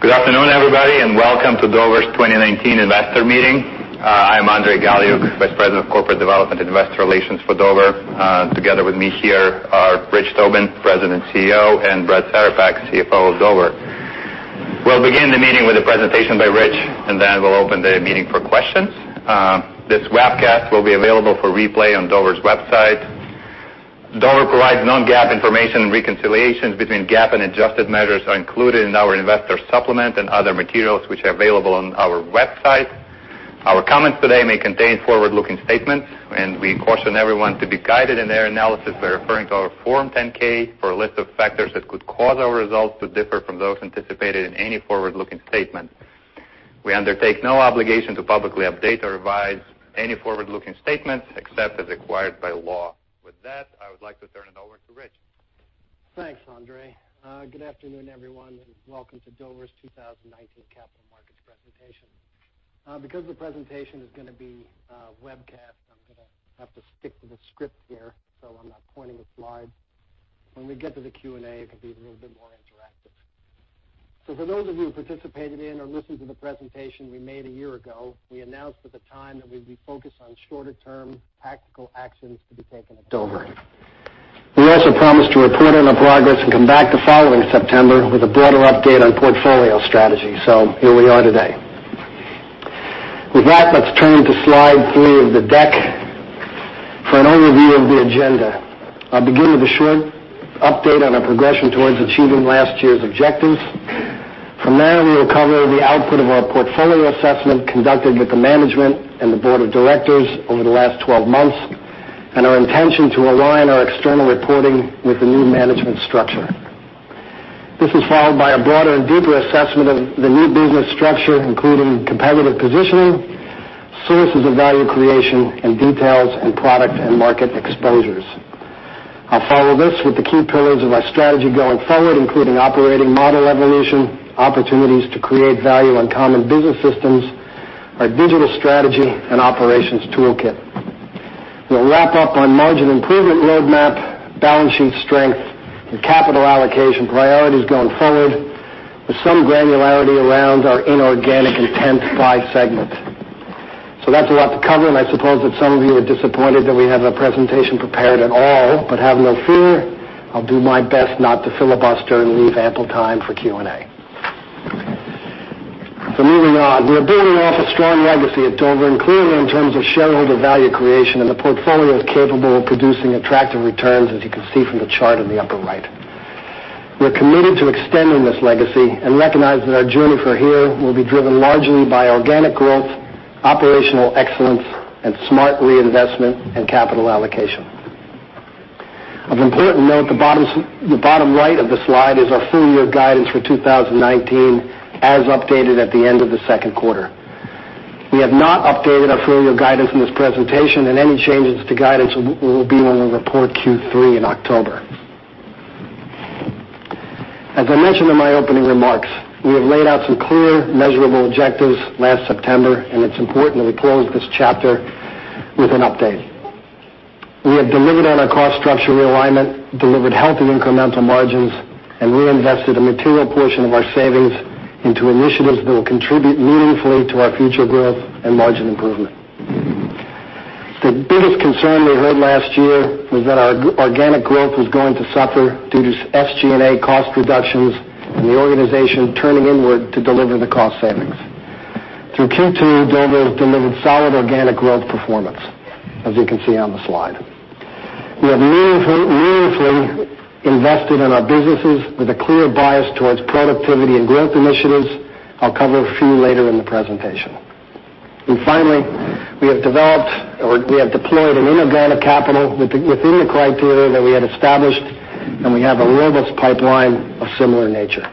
Good afternoon, everybody, welcome to Dover's 2019 investor meeting. I am Andrey Galiuk, Vice President of Corporate Development Investor Relations for Dover. Together with me here are Rich Tobin, President CEO, and Brad Cerepak, CFO of Dover. We'll begin the meeting with a presentation by Rich, then we'll open the meeting for questions. This webcast will be available for replay on Dover's website. Dover provides non-GAAP information, reconciliations between GAAP and adjusted measures are included in our investor supplement and other materials, which are available on our website. Our comments today may contain forward-looking statements, we caution everyone to be guided in their analysis by referring to our Form 10-K for a list of factors that could cause our results to differ from those anticipated in any forward-looking statement. We undertake no obligation to publicly update or revise any forward-looking statements except as required by law. With that, I would like to turn it over to Rich. Thanks, Andrey. Good afternoon, everyone, and welcome to Dover's 2019 capital markets presentation. Because the presentation is going to be webcast, I'm going to have to stick to the script here so I'm not pointing at slides. When we get to the Q&A, it can be a little bit more interactive. For those of you who participated in or listened to the presentation we made a year ago, we announced at the time that we'd be focused on shorter-term tactical actions to be taken at Dover. We also promised to report on our progress and come back the following September with a broader update on portfolio strategy, so here we are today. With that, let's turn to slide three of the deck for an overview of the agenda. I'll begin with a short update on our progression towards achieving last year's objectives. From there, we will cover the output of our portfolio assessment conducted with the management and the board of directors over the last 12 months, and our intention to align our external reporting with the new management structure. This is followed by a broader and deeper assessment of the new business structure, including competitive positioning, sources of value creation, and details and product and market exposures. I'll follow this with the key pillars of our strategy going forward, including operating model evolution, opportunities to create value on common business systems, our digital strategy, and operations toolkit. We'll wrap up on margin improvement roadmap, balance sheet strength, and capital allocation priorities going forward with some granularity around our inorganic intent by segment. That's a lot to cover. I suppose that some of you are disappointed that we have a presentation prepared at all. Have no fear, I'll do my best not to filibuster and leave ample time for Q&A. Moving on. We are building off a strong legacy at Dover, clearly in terms of shareholder value creation, the portfolio is capable of producing attractive returns, as you can see from the chart in the upper right. We're committed to extending this legacy and recognize that our journey from here will be driven largely by organic growth, operational excellence, and smart reinvestment and capital allocation. Of important note, the bottom right of the slide is our full-year guidance for 2019 as updated at the end of the second quarter. We have not updated our full-year guidance in this presentation, and any changes to guidance will be when we report Q3 in October. As I mentioned in my opening remarks, we have laid out some clear, measurable objectives last September, and it's important that we close this chapter with an update. We have delivered on our cost structure realignment, delivered healthy incremental margins, and reinvested a material portion of our savings into initiatives that will contribute meaningfully to our future growth and margin improvement. The biggest concern we heard last year was that our organic growth was going to suffer due to SG&A cost reductions and the organization turning inward to deliver the cost savings. Through Q2, Dover has delivered solid organic growth performance, as you can see on the slide. We have meaningfully invested in our businesses with a clear bias towards productivity and growth initiatives. I'll cover a few later in the presentation. Finally, we have deployed in inorganic capital within the criteria that we had established, and we have a robust pipeline of similar nature.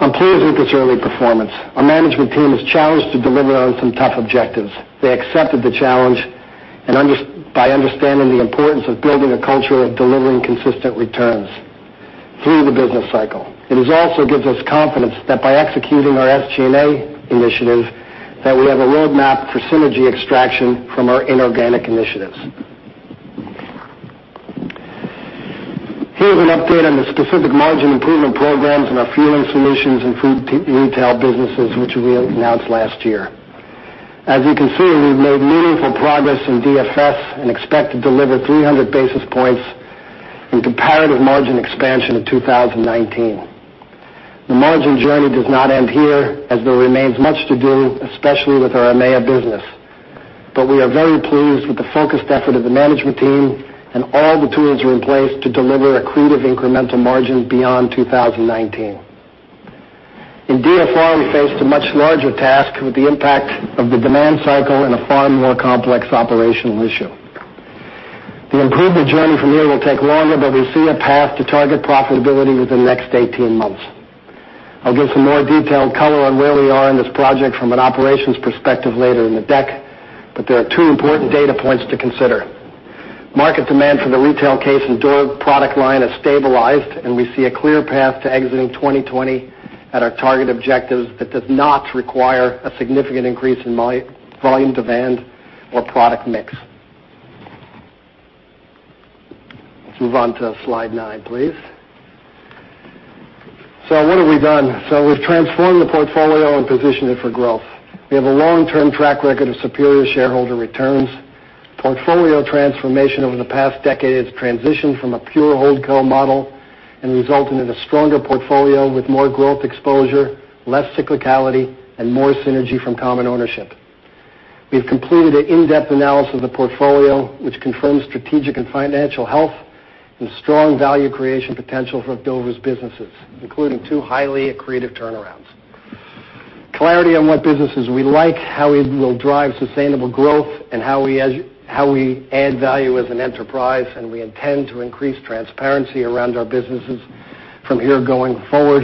I'm pleased with this early performance. Our management team was challenged to deliver on some tough objectives. They accepted the challenge by understanding the importance of building a culture of delivering consistent returns through the business cycle. It also gives us confidence that by executing our SG&A initiative, that we have a roadmap for synergy extraction from our inorganic initiatives. Here is an update on the specific margin improvement programs in our Fueling Solutions and Food Retail businesses, which we announced last year. As you can see, we've made meaningful progress in DFS and expect to deliver 300 basis points in comparative margin expansion in 2019. The margin journey does not end here, as there remains much to do, especially with our EMEA business. We are very pleased with the focused effort of the management team, and all the tools are in place to deliver accretive incremental margins beyond 2019. In DFR, we faced a much larger task with the impact of the demand cycle and a far more complex operational issue. The improvement journey from here will take longer, but we see a path to target profitability within the next 18 months. I'll give some more detailed color on where we are in this project from an operations perspective later in the deck, but there are two important data points to consider. Market demand for the retail case and door product line has stabilized, and we see a clear path to exiting 2020 at our target objectives that does not require a significant increase in volume demand or product mix. Let's move on to slide nine, please. What have we done? We've transformed the portfolio and positioned it for growth. We have a long-term track record of superior shareholder returns. Portfolio transformation over the past decade has transitioned from a pure holdco model and resulted in a stronger portfolio with more growth exposure, less cyclicality, and more synergy from common ownership. We have completed an in-depth analysis of the portfolio, which confirms strategic and financial health and strong value creation potential for Dover's businesses, including two highly accretive turnarounds. Clarity on what businesses we like, how we will drive sustainable growth, and how we add value as an enterprise. We intend to increase transparency around our businesses from here going forward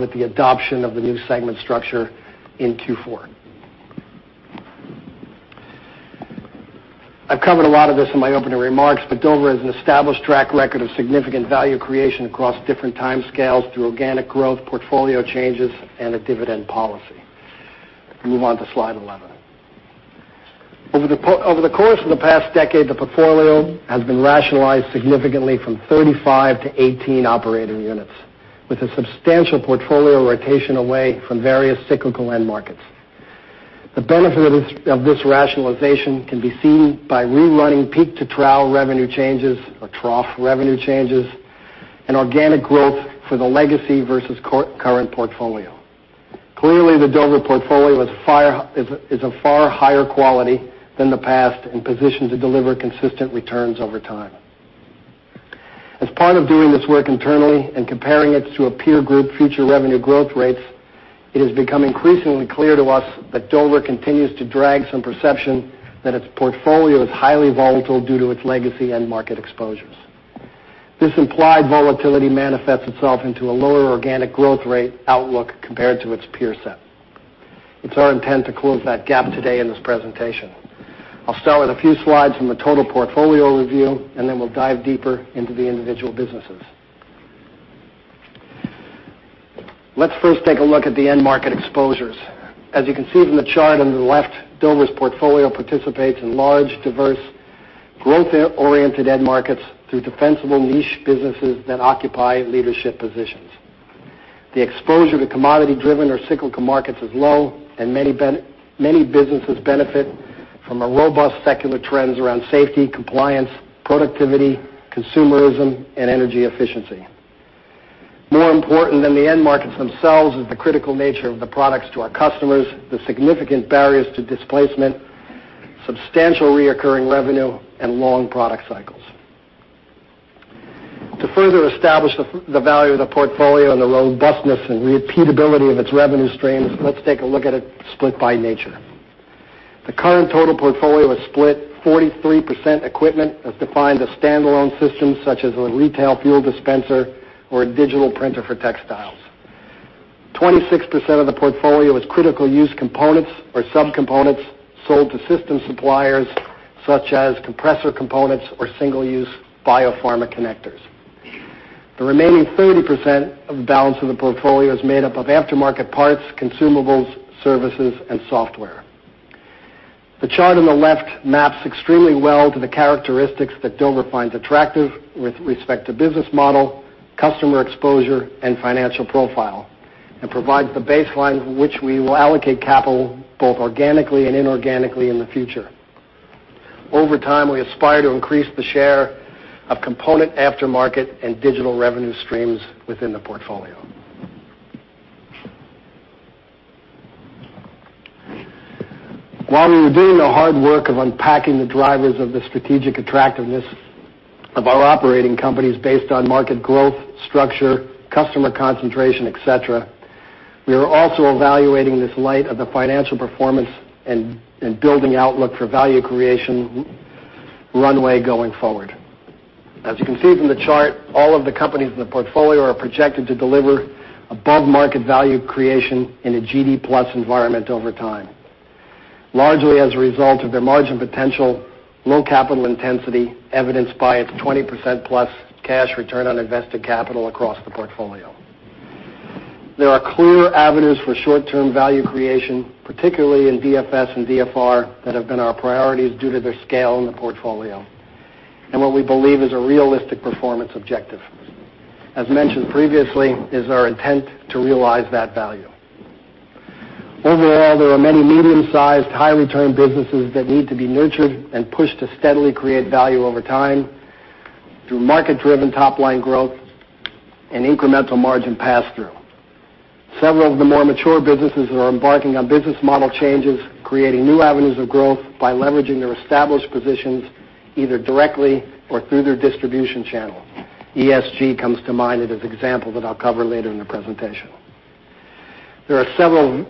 with the adoption of the new segment structure in Q4. I've covered a lot of this in my opening remarks. Dover has an established track record of significant value creation across different timescales through organic growth, portfolio changes, and a dividend policy. Move on to slide 11. Over the course of the past decade, the portfolio has been rationalized significantly from 35 to 18 operating units with a substantial portfolio rotation away from various cyclical end markets. The benefit of this rationalization can be seen by rerunning peak-to-trough revenue changes or trough revenue changes and organic growth for the legacy versus current portfolio. Clearly, the Dover portfolio is of far higher quality than the past and positioned to deliver consistent returns over time. As part of doing this work internally and comparing it to a peer group future revenue growth rates, it has become increasingly clear to us that Dover continues to drag some perception that its portfolio is highly volatile due to its legacy and market exposures. This implied volatility manifests itself into a lower organic growth rate outlook compared to its peer set. It's our intent to close that gap today in this presentation. I'll start with a few slides from the total portfolio review, and then we'll dive deeper into the individual businesses. Let's first take a look at the end market exposures. As you can see from the chart on the left, Dover's portfolio participates in large, diverse, growth-oriented end markets through defensible niche businesses that occupy leadership positions. The exposure to commodity-driven or cyclical markets is low, and many businesses benefit from the robust secular trends around safety, compliance, productivity, consumerism, and energy efficiency. More important than the end markets themselves is the critical nature of the products to our customers, the significant barriers to displacement, substantial reoccurring revenue, and long product cycles. To further establish the value of the portfolio and the robustness and repeatability of its revenue streams, let's take a look at it split by nature. The current total portfolio is split 43% equipment, as defined as standalone systems such as a retail fuel dispenser or a digital printer for textiles. 26% of the portfolio is critical use components or subcomponents sold to system suppliers, such as compressor components or single-use biopharma connectors. The remaining 30% of the balance of the portfolio is made up of aftermarket parts, consumables, services, and software. The chart on the left maps extremely well to the characteristics that Dover finds attractive with respect to business model, customer exposure, and financial profile, and provides the baseline from which we will allocate capital both organically and inorganically in the future. Over time, we aspire to increase the share of component aftermarket and digital revenue streams within the portfolio. While we were doing the hard work of unpacking the drivers of the strategic attractiveness of our operating companies based on market growth, structure, customer concentration, et cetera, we are also evaluating this light of the financial performance and building outlook for value creation runway going forward. As you can see from the chart, all of the companies in the portfolio are projected to deliver above-market value creation in a GDP plus environment over time, largely as a result of their margin potential, low capital intensity, evidenced by its 20%+ cash return on invested capital across the portfolio. There are clear avenues for short-term value creation, particularly in DFS and DFR, that have been our priorities due to their scale in the portfolio and what we believe is a realistic performance objective. As mentioned previously, it is our intent to realize that value. Overall, there are many medium-sized, high-return businesses that need to be nurtured and pushed to steadily create value over time through market-driven top-line growth and incremental margin pass-through. Several of the more mature businesses are embarking on business model changes, creating new avenues of growth by leveraging their established positions either directly or through their distribution channels. ESG comes to mind as an example that I'll cover later in the presentation. There are several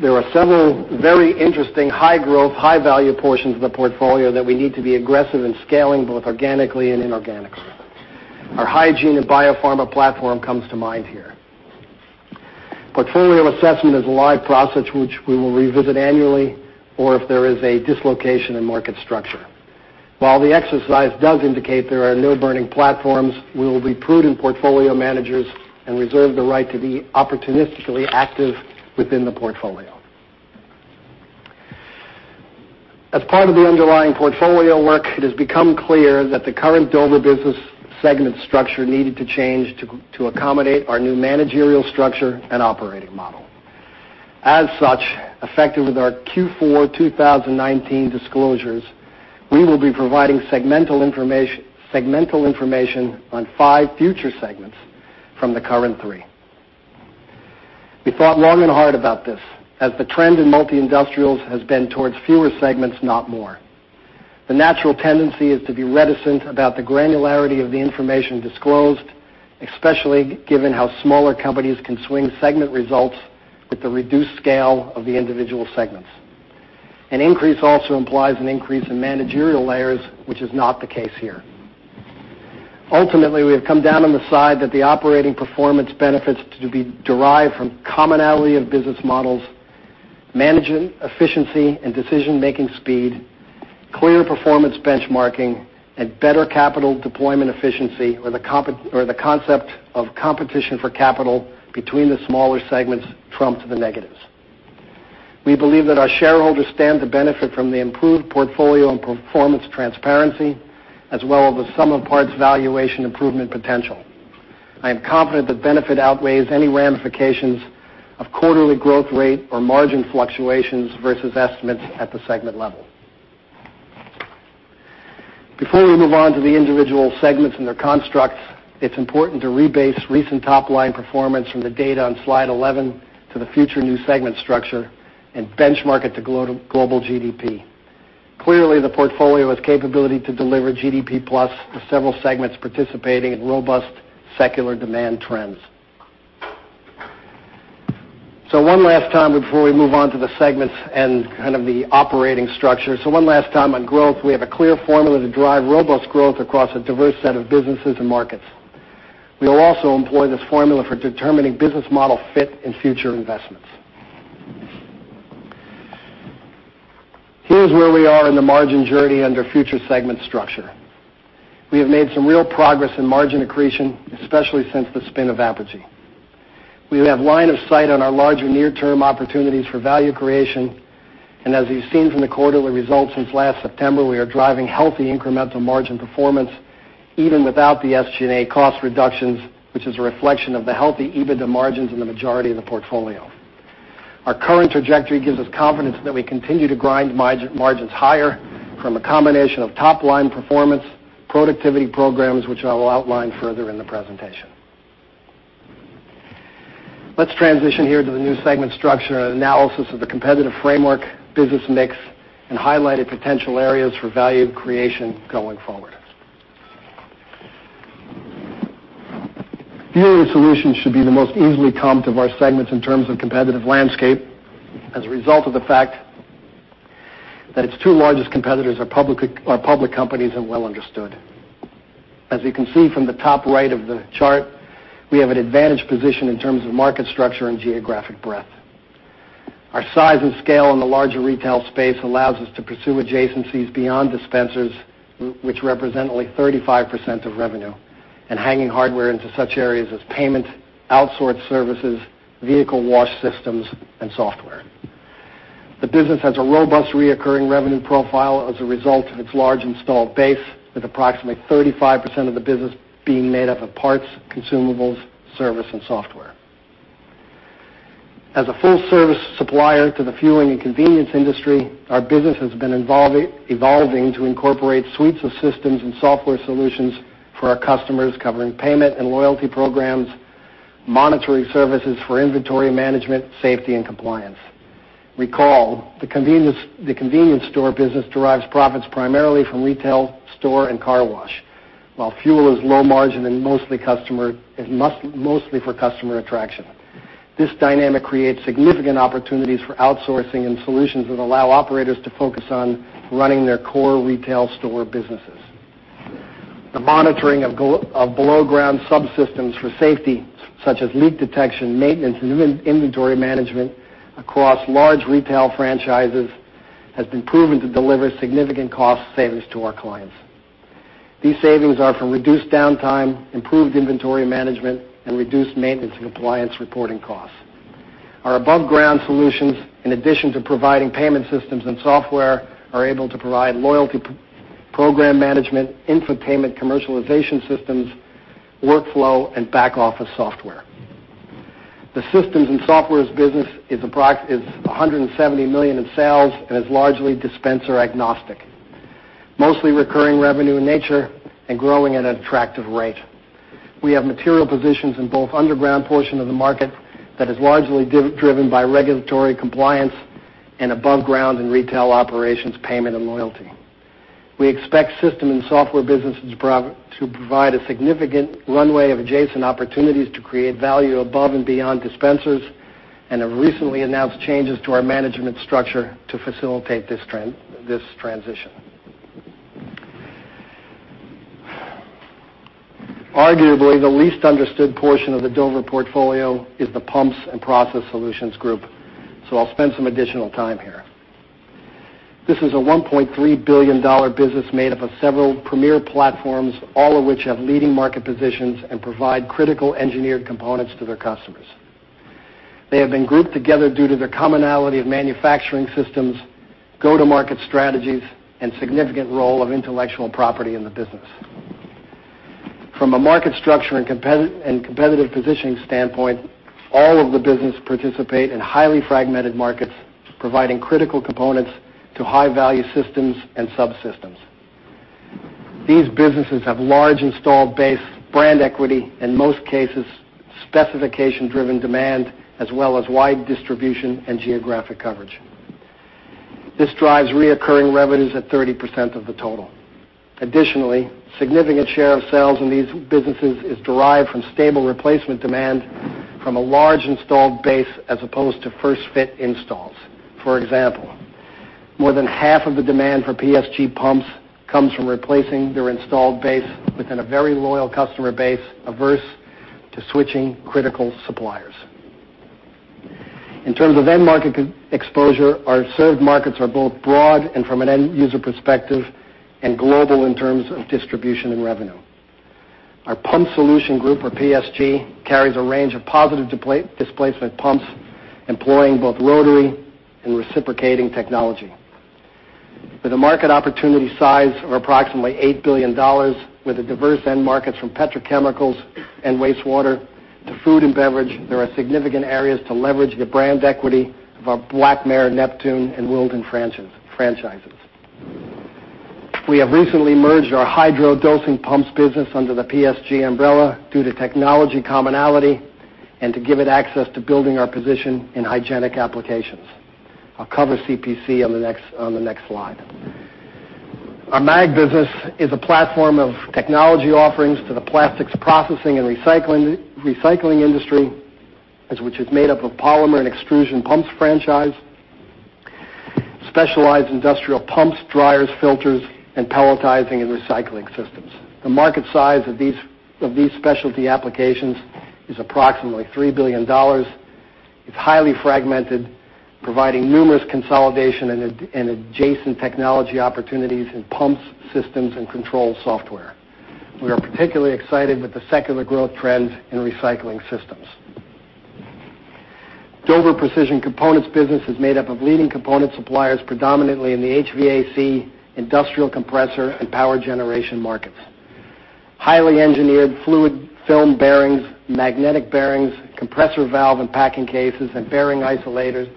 very interesting high-growth, high-value portions of the portfolio that we need to be aggressive in scaling, both organically and inorganically. Our hygiene and biopharma platform comes to mind here. Portfolio assessment is a live process which we will revisit annually or if there is a dislocation in market structure. While the exercise does indicate there are no burning platforms, we will be prudent portfolio managers and reserve the right to be opportunistically active within the portfolio. As part of the underlying portfolio work, it has become clear that the current Dover business segment structure needed to change to accommodate our new managerial structure and operating model. As such, effective with our Q4 2019 disclosures, we will be providing segmental information on five future segments from the current three. We thought long and hard about this, as the trend in multi-industrials has been towards fewer segments, not more. The natural tendency is to be reticent about the granularity of the information disclosed, especially given how smaller companies can swing segment results with the reduced scale of the individual segments. An increase also implies an increase in managerial layers, which is not the case here. Ultimately, we have come down on the side that the operating performance benefits to be derived from commonality of business models, managing efficiency and decision-making speed, clear performance benchmarking, and better capital deployment efficiency, or the concept of competition for capital between the smaller segments trumps the negatives. We believe that our shareholders stand to benefit from the improved portfolio and performance transparency, as well as the sum-of-parts valuation improvement potential. I am confident the benefit outweighs any ramifications of quarterly growth rate or margin fluctuations versus estimates at the segment level. Before we move on to the individual segments and their constructs, it's important to rebase recent top-line performance from the data on slide 11 to the future new segment structure and benchmark it to global GDP. Clearly, the portfolio has capability to deliver GDP plus, with several segments participating in robust secular demand trends. One last time before we move on to the segments and kind of the operating structure. One last time on growth. We have a clear formula to drive robust growth across a diverse set of businesses and markets. We will also employ this formula for determining business model fit and future investments. Here's where we are in the margin journey under future segment structure. We have made some real progress in margin accretion, especially since the spin of Apergy. We have line of sight on our larger near-term opportunities for value creation. As you've seen from the quarterly results since last September, we are driving healthy incremental margin performance, even without the SG&A cost reductions, which is a reflection of the healthy EBITDA margins in the majority of the portfolio. Our current trajectory gives us confidence that we continue to grind margins higher from a combination of top-line performance, productivity programs, which I will outline further in the presentation. Let's transition here to the new segment structure and analysis of the competitive framework, business mix, and highlighted potential areas for value creation going forward. Fueling solutions should be the most easily comped of our segments in terms of competitive landscape as a result of the fact that its two largest competitors are public companies and well understood. You can see from the top right of the chart, we have an advantaged position in terms of market structure and geographic breadth. Our size and scale in the larger retail space allows us to pursue adjacencies beyond dispensers, which represent only 35% of revenue, and hanging hardware into such areas as payment, outsourced services, vehicle wash systems, and software. The business has a robust recurring revenue profile as a result of its large installed base, with approximately 35% of the business being made up of parts, consumables, service, and software. As a full-service supplier to the fueling and convenience industry, our business has been evolving to incorporate suites of systems and software solutions for our customers, covering payment and loyalty programs, monitoring services for inventory management, safety, and compliance. Recall, the convenience store business derives profits primarily from retail, store, and car wash. While fuel is low margin and mostly for customer attraction. This dynamic creates significant opportunities for outsourcing and solutions that allow operators to focus on running their core retail store businesses. The monitoring of below-ground subsystems for safety, such as leak detection, maintenance, and inventory management across large retail franchises, has been proven to deliver significant cost savings to our clients. These savings are from reduced downtime, improved inventory management, and reduced maintenance and compliance reporting costs. Our above-ground solutions, in addition to providing payment systems and software, are able to provide loyalty program management, infotainment commercialization systems, workflow, and back-office software. The systems and software business is $170 million in sales and is largely dispenser agnostic, mostly recurring revenue in nature, and growing at an attractive rate. We have material positions in both underground portion of the market, that is largely driven by regulatory compliance, and above ground and retail operations, payment, and loyalty. We expect system and software businesses to provide a significant runway of adjacent opportunities to create value above and beyond dispensers and have recently announced changes to our management structure to facilitate this transition. Arguably, the least understood portion of the Dover portfolio is the Pumps and Process Solutions Group. I'll spend some additional time here. This is a $1.3 billion business made up of several premier platforms, all of which have leading market positions and provide critical engineered components to their customers. They have been grouped together due to their commonality of manufacturing systems, go-to-market strategies, and significant role of intellectual property in the business. From a market structure and competitive positioning standpoint, all of the businesses participate in highly fragmented markets, providing critical components to high-value systems and subsystems. These businesses have large installed base, brand equity, in most cases, specification-driven demand, as well as wide distribution and geographic coverage. This drives recurring revenues at 30% of the total. Additionally, significant share of sales in these businesses is derived from stable replacement demand from a large installed base as opposed to first-fit installs. For example, more than half of the demand for PSG pumps comes from replacing their installed base within a very loyal customer base, averse to switching critical suppliers. In terms of end market exposure, our served markets are both broad and from an end user perspective, and global in terms of distribution and revenue. Our Pump Solutions Group, or PSG, carries a range of positive displacement pumps, employing both rotary and reciprocating technology. With a market opportunity size of approximately $8 billion with a diverse end markets from petrochemicals and wastewater to food and beverage, there are significant areas to leverage the brand equity of our Blackmer, Neptune, and Wilden franchises. We have recently merged our Hydro dosing pumps business under the PSG umbrella due to technology commonality and to give it access to building our position in hygienic applications. I'll cover CPC on the next slide. Our Maag business is a platform of technology offerings to the plastics processing and recycling industry, which is made up of polymer and extrusion pumps franchise, specialized industrial pumps, dryers, filters, and pelletizing and recycling systems. The market size of these specialty applications is approximately $3 billion. It's highly fragmented, providing numerous consolidation and adjacent technology opportunities in pumps, systems, and control software. We are particularly excited with the secular growth trends in recycling systems. Dover Precision Components' business is made up of leading component suppliers, predominantly in the HVAC, industrial compressor, and power generation markets. Highly engineered fluid film bearings, magnetic bearings, compressor valve and packing cases, and bearing isolators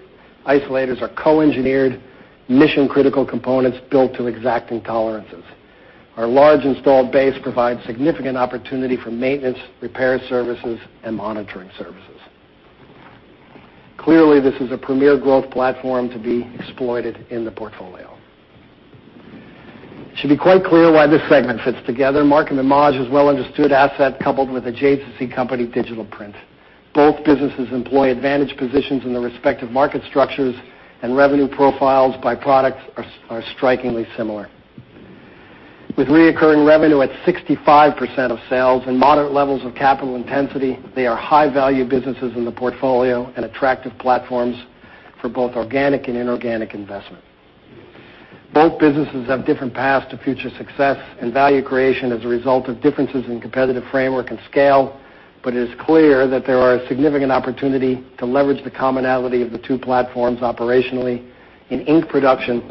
are co-engineered mission-critical components built to exacting tolerances. Our large installed base provides significant opportunity for maintenance, repair services, and monitoring services. Clearly, this is a premier growth platform to be exploited in the portfolio. It should be quite clear why this segment fits together. Markem-Imaje is a well-understood asset coupled with adjacency company Digital Print. Both businesses employ advantage positions in their respective market structures, and revenue profiles by products are strikingly similar. With reoccurring revenue at 65% of sales and moderate levels of capital intensity, they are high-value businesses in the portfolio and attractive platforms for both organic and inorganic investment. Both businesses have different paths to future success and value creation as a result of differences in competitive framework and scale. It is clear that there are a significant opportunity to leverage the commonality of the two platforms operationally in ink production,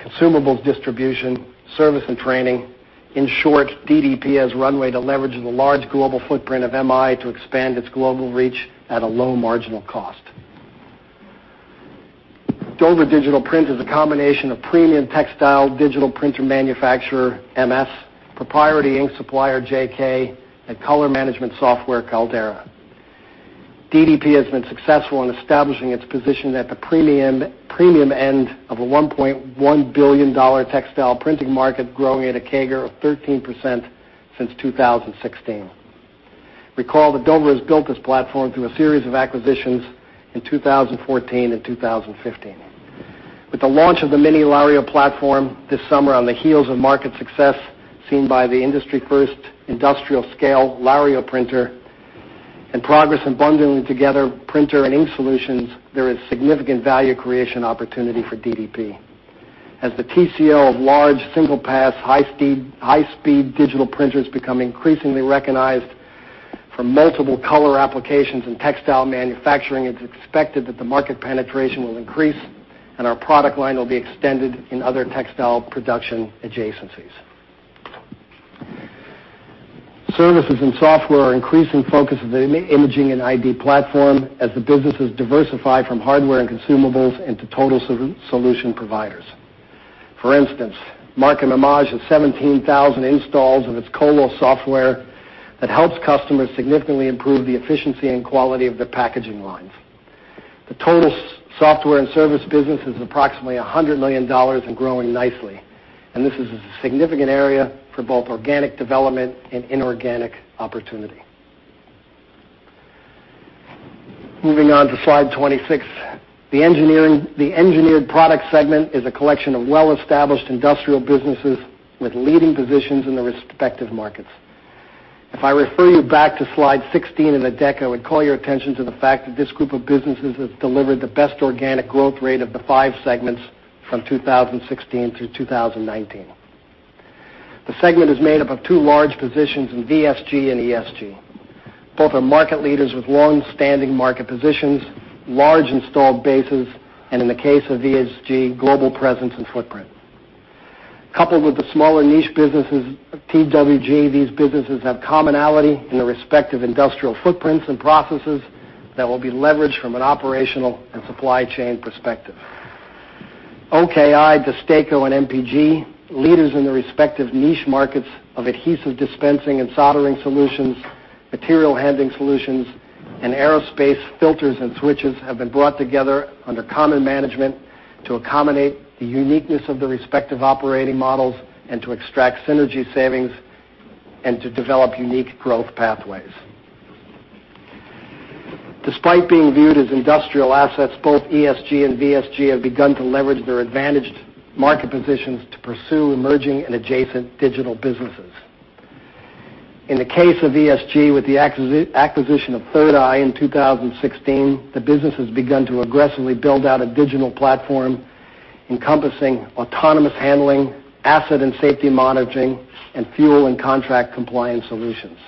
consumables distribution, service, and training. In short, DDP has runway to leverage the large global footprint of MI to expand its global reach at a low marginal cost. Dover Digital Printing is a combination of premium textile digital printer manufacturer, MI, proprietary ink supplier, JK, and color management software, Caldera. DDP has been successful in establishing its position at the premium end of a $1.1 billion textile printing market, growing at a CAGR of 13% since 2016. Recall that Dover has built this platform through a series of acquisitions in 2014 and 2015. With the launch of the Mini Lario platform this summer on the heels of market success seen by the industry first industrial scale LaRio printer, and progress in bundling together printer and ink solutions, there is significant value creation opportunity for DDP. As the TCO of large single-pass, high-speed digital printers become increasingly recognized for multiple color applications in textile manufacturing, it's expected that the market penetration will increase, and our product line will be extended in other textile production adjacencies. Services and software are increasing focus of the Imaging and ID platform as the businesses diversify from hardware and consumables into total solution providers. For instance, Markem-Imaje has 17,000 installs of its CoLOS software that helps customers significantly improve the efficiency and quality of their packaging lines. The total software and service business is approximately $100 million and growing nicely. This is a significant area for both organic development and inorganic opportunity. Moving on to slide 26. The Engineered Products segment is a collection of well-established industrial businesses with leading positions in their respective markets. If I refer you back to slide 16 in the deck, I would call your attention to the fact that this group of businesses has delivered the best organic growth rate of the five segments from 2016 through 2019. The segment is made up of two large positions in VSG and ESG. Both are market leaders with longstanding market positions, large installed bases, and in the case of VSG, global presence and footprint. Coupled with the smaller niche businesses of TWG, these businesses have commonality in their respective industrial footprints and processes that will be leveraged from an operational and supply chain perspective. OKI, DESTACO, and MPG, leaders in their respective niche markets of adhesive dispensing and soldering solutions, material handling solutions, and aerospace filters and switches, have been brought together under common management to accommodate the uniqueness of the respective operating models and to extract synergy savings and to develop unique growth pathways. Despite being viewed as industrial assets, both ESG and VSG have begun to leverage their advantaged market positions to pursue emerging and adjacent digital businesses. In the case of ESG, with the acquisition of 3rd Eye in 2016, the business has begun to aggressively build out a digital platform encompassing autonomous handling, asset and safety monitoring, and fuel and contract compliance solutions.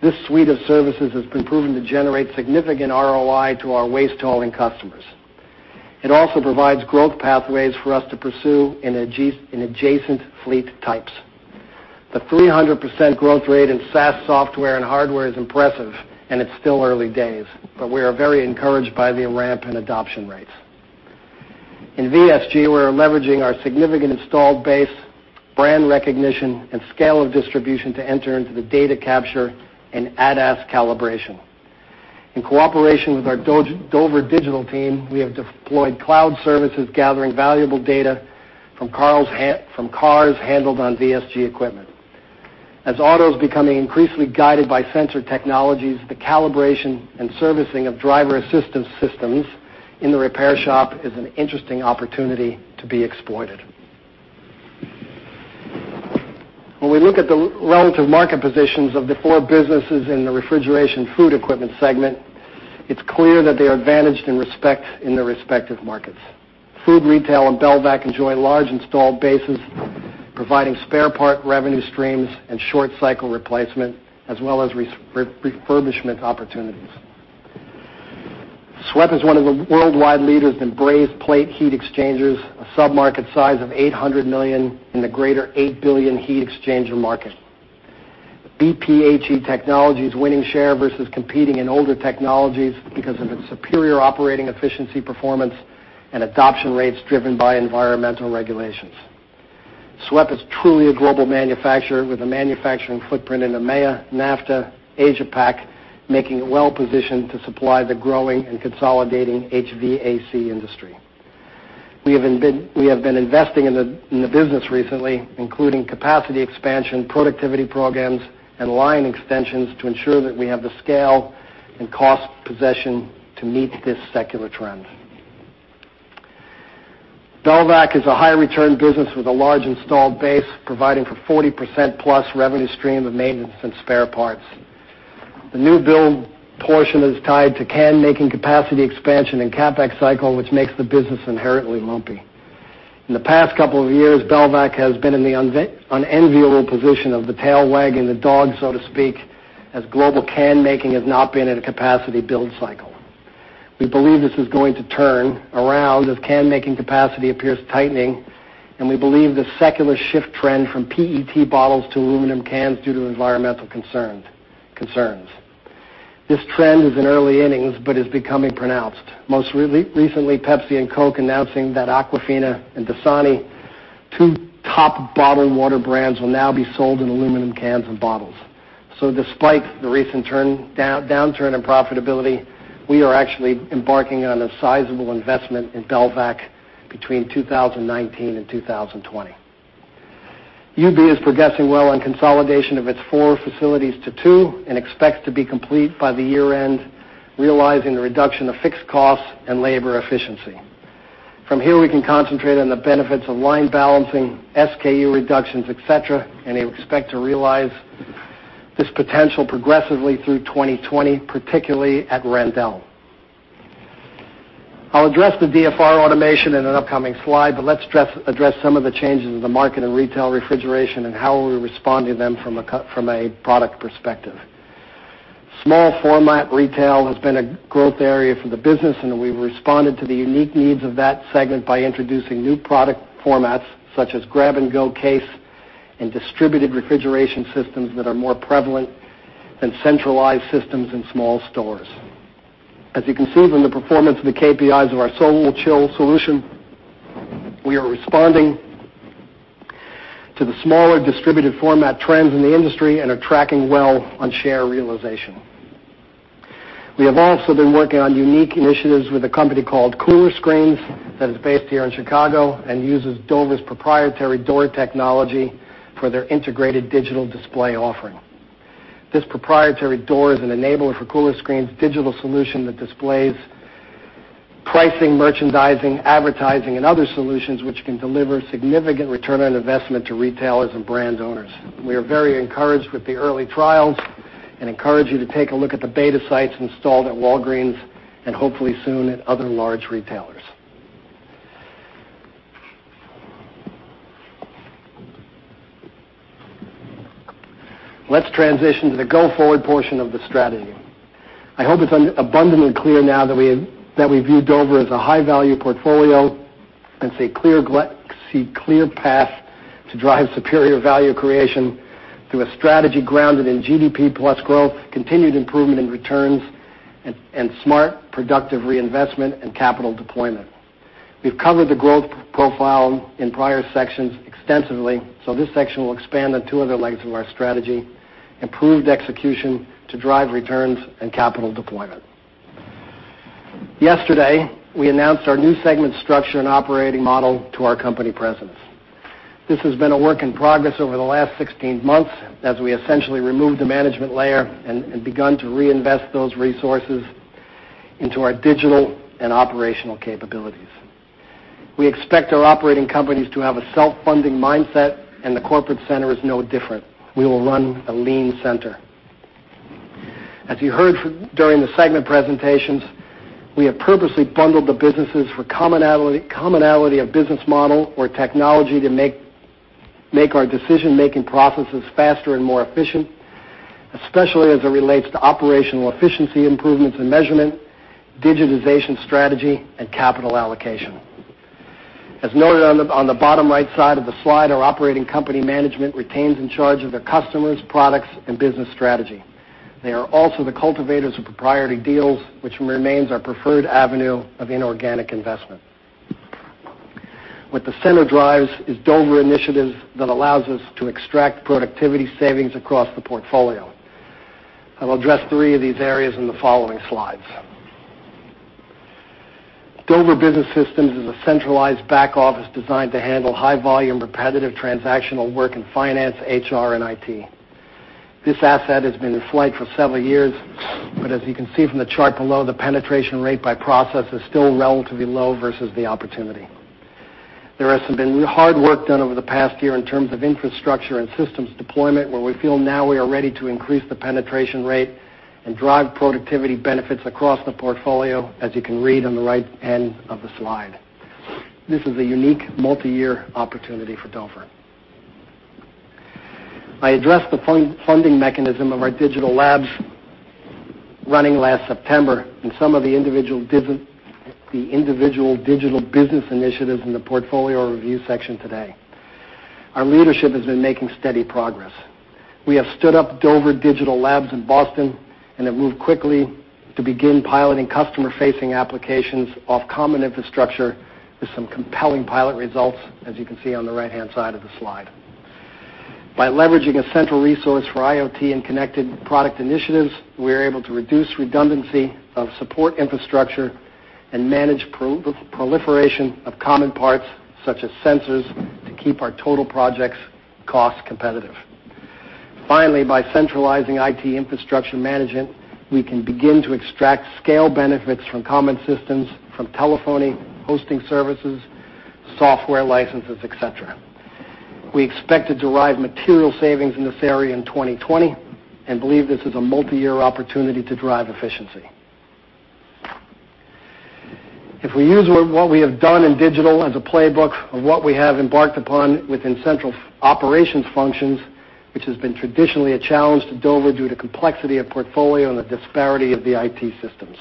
This suite of services has been proven to generate significant ROI to our waste hauling customers. It also provides growth pathways for us to pursue in adjacent fleet types. The 300% growth rate in SaaS software and hardware is impressive, and it's still early days, but we are very encouraged by the ramp and adoption rates. In VSG, we're leveraging our significant installed base, brand recognition, and scale of distribution to enter into the data capture and ADAS calibration. In cooperation with our Dover Digital team, we have deployed cloud services, gathering valuable data from cars handled on VSG equipment. As auto is becoming increasingly guided by sensor technologies, the calibration and servicing of driver assistance systems in the repair shop is an interesting opportunity to be exploited. When we look at the relative market positions of the four businesses in the refrigeration food equipment segment, it's clear that they are advantaged in their respective markets. Food Retail and Belvac enjoy large installed bases, providing spare part revenue streams and short cycle replacement, as well as refurbishment opportunities. SWEP is one of the worldwide leaders in brazed plate heat exchangers, a sub-market size of $800 million in the greater $8 billion heat exchanger market. BPHE technology is winning share versus competing in older technologies because of its superior operating efficiency performance and adoption rates driven by environmental regulations. SWEP is truly a global manufacturer with a manufacturing footprint in EMEIA, NAFTA, Asia PAC, making it well-positioned to supply the growing and consolidating HVAC industry. We have been investing in the business recently, including capacity expansion, productivity programs, and line extensions to ensure that we have the scale and cost possession to meet this secular trend. Belvac is a high-return business with a large installed base, providing for 40%+ revenue stream of maintenance and spare parts. The new build portion is tied to can-making capacity expansion and CapEx cycle, which makes the business inherently lumpy. In the past couple of years, Belvac has been in the unenviable position of the tail wagging the dog, so to speak, as global can making has not been at a capacity build cycle. We believe this is going to turn around as can-making capacity appears to be tightening, and we believe the secular shift trend from PET bottles to aluminum cans is due to environmental concerns. This trend is in early innings but is becoming pronounced. Most recently, Pepsi and Coke announcing that Aquafina and Dasani, two top bottled water brands, will now be sold in aluminum cans and bottles. Despite the recent downturn in profitability, we are actually embarking on a sizable investment in Belvac between 2019 and 2020. UB is progressing well on consolidation of its four facilities to two and expects to be complete by the year-end, realizing the reduction of fixed costs and labor efficiency. From here, we can concentrate on the benefits of line balancing, SKU reductions, et cetera, and we expect to realize this potential progressively through 2020, particularly at Randell. I'll address the DFR automation in an upcoming slide, but let's address some of the changes in the market in retail refrigeration and how we respond to them from a product perspective. Small format retail has been a growth area for the business, and we've responded to the unique needs of that segment by introducing new product formats such as grab-and-go case and distributed refrigeration systems that are more prevalent than centralized systems in small stores. As you can see from the performance of the KPIs of our SoloChill solution, we are responding to the smaller distributed format trends in the industry and are tracking well on share realization. We have also been working on unique initiatives with a company called Cooler Screens that is based here in Chicago and uses Dover's proprietary door technology for their integrated digital display offering. This proprietary door is an enabler for Cooler Screens' digital solution that displays pricing, merchandising, advertising, and other solutions which can deliver significant return on investment to retailers and brand owners. We are very encouraged with the early trials and encourage you to take a look at the beta sites installed at Walgreens and hopefully soon at other large retailers. Let's transition to the go-forward portion of the strategy. I hope it's abundantly clear now that we viewed Dover as a high-value portfolio and see clear path to drive superior value creation through a strategy grounded in GDP plus growth, continued improvement in returns, and smart, productive reinvestment and capital deployment. We've covered the growth profile in prior sections extensively, so this section will expand on two other legs of our strategy, improved execution to drive returns and capital deployment. Yesterday, we announced our new segment structure and operating model to our company presidents. This has been a work in progress over the last 16 months as we essentially removed the management layer and begun to reinvest those resources into our digital and operational capabilities. We expect our operating companies to have a self-funding mindset, and the corporate center is no different. We will run a lean center. As you heard during the segment presentations, we have purposely bundled the businesses for commonality of business model or technology to make our decision-making processes faster and more efficient, especially as it relates to operational efficiency improvements and measurement, digitization strategy, and capital allocation. As noted on the bottom right side of the slide, our operating company management retains in charge of their customers, products, and business strategy. They are also the cultivators of proprietary deals, which remains our preferred avenue of inorganic investment. What the center drives is Dover initiatives that allows us to extract productivity savings across the portfolio. I will address three of these areas in the following slides. Dover Business Systems is a centralized back office designed to handle high volume, repetitive, transactional work in finance, HR, and IT. As you can see from the chart below, the penetration rate by process is still relatively low versus the opportunity. There has been hard work done over the past year in terms of infrastructure and systems deployment, where we feel now we are ready to increase the penetration rate and drive productivity benefits across the portfolio, as you can read on the right end of the slide. This is a unique multi-year opportunity for Dover. I addressed the funding mechanism of our Dover Digital Labs running last September and some of the individual digital business initiatives in the portfolio review section today. Our leadership has been making steady progress. We have stood up Dover Digital Labs in Boston and have moved quickly to begin piloting customer-facing applications off common infrastructure with some compelling pilot results, as you can see on the right-hand side of the slide. By leveraging a central resource for IoT and connected product initiatives, we are able to reduce redundancy of support infrastructure and manage proliferation of common parts, such as sensors, to keep our total projects cost competitive. Finally, by centralizing IT infrastructure management, we can begin to extract scale benefits from common systems, from telephony, hosting services, software licenses, et cetera. We expect to derive material savings in this area in 2020 and believe this is a multi-year opportunity to drive efficiency. We use what we have done in digital as a playbook of what we have embarked upon within central operations functions, which has been traditionally a challenge to Dover due to complexity of portfolio and the disparity of the IT systems.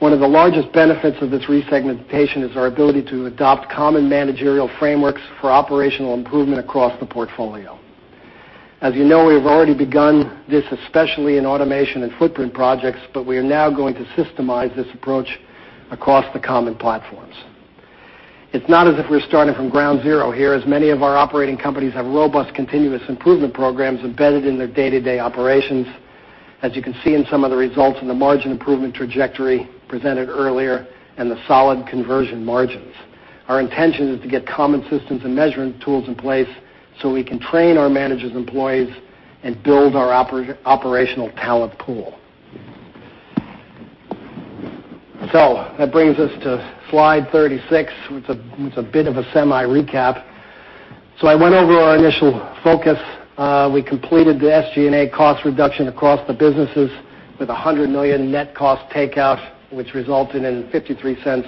One of the largest benefits of this resegmentation is our ability to adopt common managerial frameworks for operational improvement across the portfolio. As you know, we've already begun this, especially in automation and footprint projects, but we are now going to systemize this approach across the common platforms. It's not as if we're starting from ground zero here, as many of our operating companies have robust continuous improvement programs embedded in their day-to-day operations. As you can see in some of the results in the margin improvement trajectory presented earlier and the solid conversion margins. Our intention is to get common systems and measurement tools in place so we can train our managers, employees, and build our operational talent pool. That brings us to slide 36, which a bit of a semi-recap. I went over our initial focus. We completed the SG&A cost reduction across the businesses with $100 million net cost takeout, which resulted in $0.53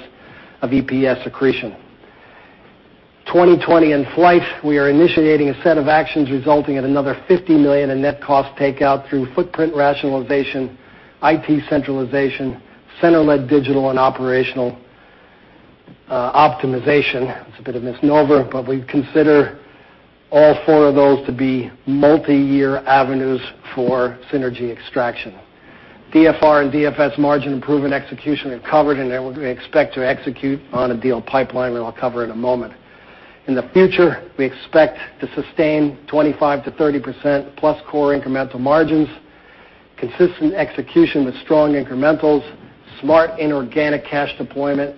of EPS accretion. 2020 in flight, we are initiating a set of actions resulting in another $50 million in net cost takeout through footprint rationalization, IT centralization, center-led digital and operational optimization. It's a bit of misnomer, but we consider all four of those to be multi-year avenues for synergy extraction. DFR and DFS margin improvement execution are covered, and we expect to execute on a deal pipeline that I'll cover in a moment. In the future, we expect to sustain 25%-30% plus core incremental margins, consistent execution with strong incrementals, smart inorganic cash deployment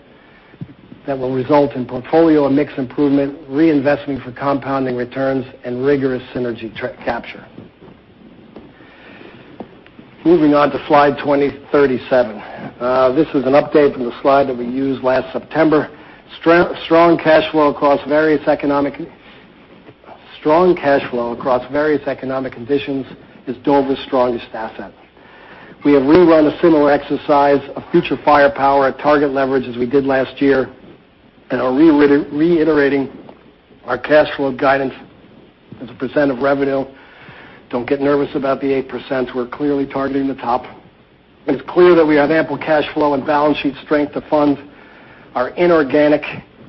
that will result in portfolio and mix improvement, reinvestment for compounding returns, and rigorous synergy capture. Moving on to slide 37. This is an update from the slide that we used last September. Strong cash flow across various economic conditions is Dover's strongest asset. We have rerun a similar exercise of future firepower at target leverage as we did last year, and are reiterating our cash flow guidance as a % of revenue. Don't get nervous about the 8%, we're clearly targeting the top. It's clear that we have ample cash flow and balance sheet strength to fund our organic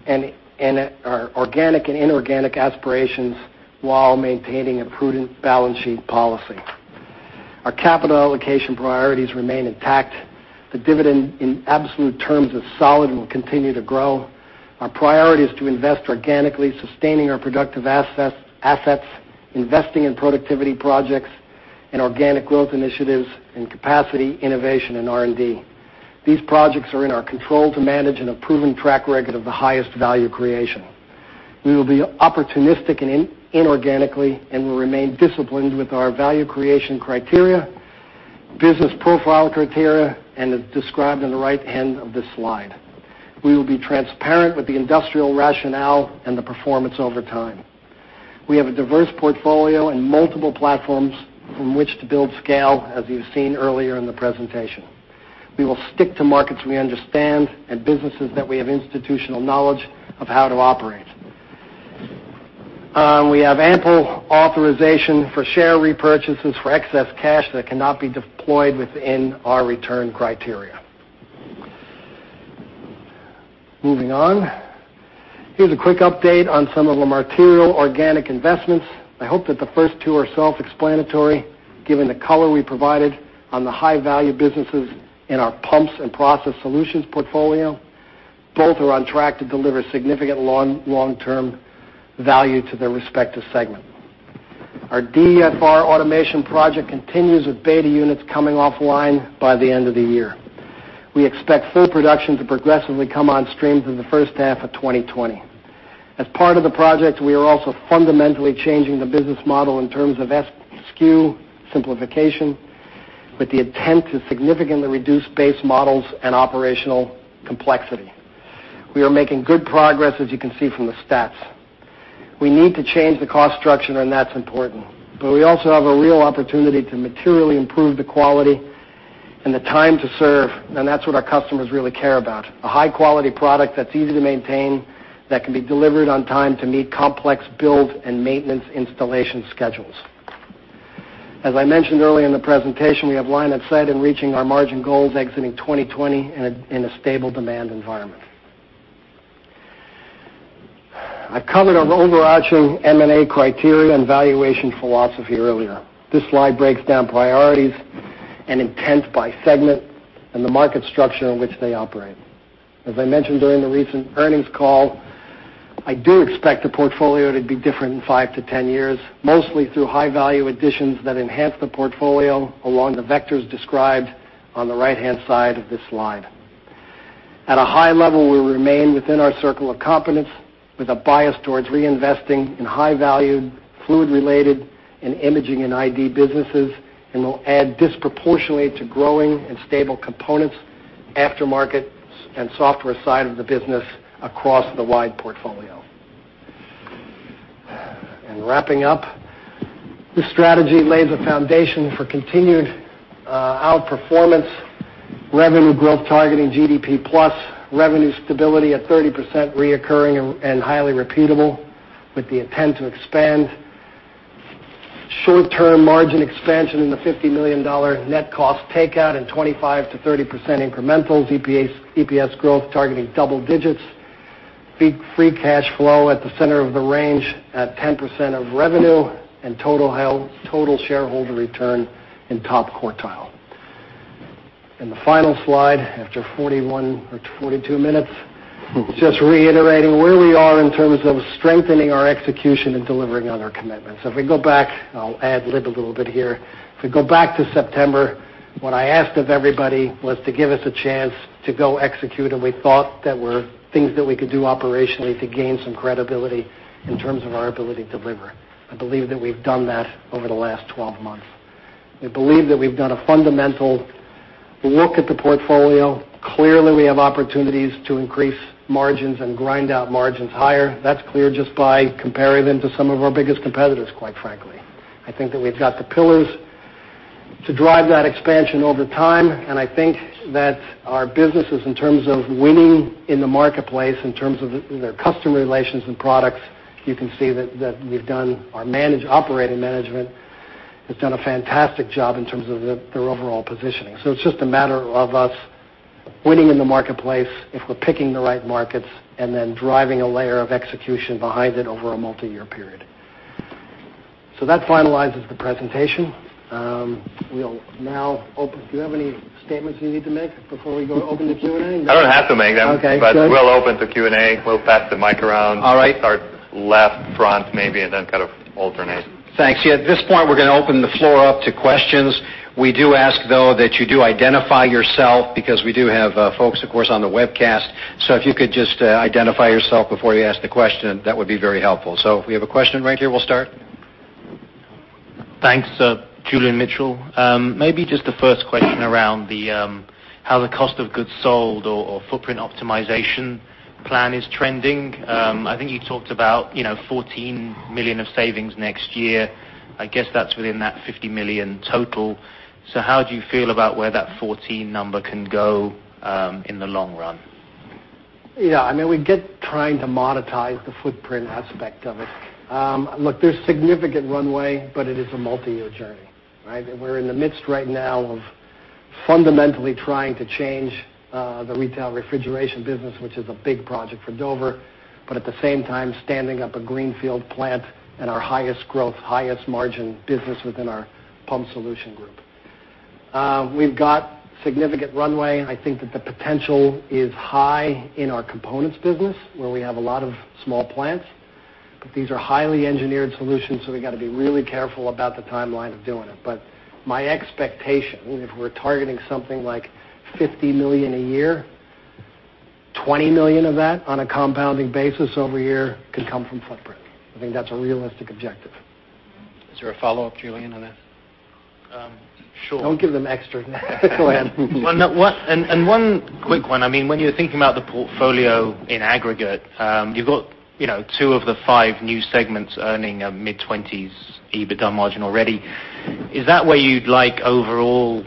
and inorganic aspirations while maintaining a prudent balance sheet policy. Our capital allocation priorities remain intact. The dividend in absolute terms is solid and will continue to grow. Our priority is to invest organically, sustaining our productive assets, investing in productivity projects and organic growth initiatives in capacity, innovation, and R&D. These projects are in our control to manage and have proven track record of the highest value creation. We will be opportunistic inorganically and will remain disciplined with our value creation criteria, business profile criteria, and as described in the right hand of this slide. We will be transparent with the industrial rationale and the performance over time. We have a diverse portfolio and multiple platforms from which to build scale, as you've seen earlier in the presentation. We will stick to markets we understand and businesses that we have institutional knowledge of how to operate. We have ample authorization for share repurchases for excess cash that cannot be deployed within our return criteria. Moving on. Here's a quick update on some of the material organic investments. I hope that the first two are self-explanatory, given the color we provided on the high-value businesses in our pumps and process solutions portfolio. Both are on track to deliver significant long-term value to their respective segment. Our DFR automation project continues with beta units coming offline by the end of the year. We expect full production to progressively come on stream in the first half of 2020. As part of the project, we are also fundamentally changing the business model in terms of SKU simplification, with the intent to significantly reduce base models and operational complexity. We are making good progress, as you can see from the stats. We need to change the cost structure, and that's important. We also have a real opportunity to materially improve the quality and the time to serve, and that's what our customers really care about. A high-quality product that's easy to maintain, that can be delivered on time to meet complex build and maintenance installation schedules. As I mentioned early in the presentation, we have line of sight in reaching our margin goals exiting 2020 in a stable demand environment. I covered our overarching M&A criteria and valuation philosophy earlier. This slide breaks down priorities and intent by segment and the market structure in which they operate. As I mentioned during the recent earnings call, I do expect the portfolio to be different in five to 10 years, mostly through high-value additions that enhance the portfolio along the vectors described on the right-hand side of this slide. At a high level, we'll remain within our circle of competence with a bias towards reinvesting in high-value fluid related and imaging and ID businesses, and will add disproportionately to growing and stable components, aftermarket, and software side of the business across the wide portfolio. Wrapping up. This strategy lays a foundation for continued outperformance, revenue growth targeting GDP plus, revenue stability at 30% reoccurring and highly repeatable with the intent to expand. Short-term margin expansion in the $50 million net cost takeout and 25%-30% incremental EPS growth targeting double digits. Free cash flow at the center of the range at 10% of revenue, total shareholder return in top quartile. The final slide, after 41 or 42 minutes. Just reiterating where we are in terms of strengthening our execution and delivering on our commitments. If we go back, I'll ad-lib a little bit here. If we go back to September, what I asked of everybody was to give us a chance to go execute, and we thought there were things that we could do operationally to gain some credibility in terms of our ability to deliver. I believe that we've done that over the last 12 months. I believe that we've done a fundamental look at the portfolio. Clearly, we have opportunities to increase margins and grind out margins higher. That's clear just by comparing them to some of our biggest competitors, quite frankly. I think that we've got the pillars to drive that expansion over time, and I think that our businesses, in terms of winning in the marketplace, in terms of their customer relations and products. You can see that our operating management has done a fantastic job in terms of their overall positioning. It's just a matter of us winning in the marketplace if we're picking the right markets, and then driving a layer of execution behind it over a multi-year period. That finalizes the presentation. Do you have any statements you need to make before we go open the Q&A? I don't have to make them. Okay, good. We'll open to Q&A. We'll pass the mic around. All right. Start left front, maybe, and then kind of alternate. Thanks. Yeah. At this point, we're going to open the floor up to questions. We do ask, though, that you do identify yourself because we do have folks, of course, on the webcast. If you could just identify yourself before you ask the question, that would be very helpful. We have a question right here. We'll start Thanks. Julian Mitchell. Just the first question around how the cost of goods sold or footprint optimization plan is trending. I think you talked about $14 million of savings next year. I guess that's within that $50 million total. How do you feel about where that 14 number can go in the long run? Yeah. We get trying to monetize the footprint aspect of it. Look, there's significant runway, but it is a multi-year journey, right? We're in the midst right now of fundamentally trying to change the retail refrigeration business, which is a big project for Dover, at the same time, standing up a greenfield plant and our highest growth, highest margin business within our Pump Solutions Group. We've got significant runway. I think that the potential is high in our components business, where we have a lot of small plants. These are highly engineered solutions, so we've got to be really careful about the timeline of doing it. My expectation, if we're targeting something like $50 million a year, $20 million of that on a compounding basis over a year could come from footprint. I think that's a realistic objective. Is there a follow-up, Julian, on that? Sure. Don't give them extra. Go ahead. One quick one. When you're thinking about the portfolio in aggregate, you've got two of the five new segments earning mid-20s EBITDA margin already. Is that where you'd like overall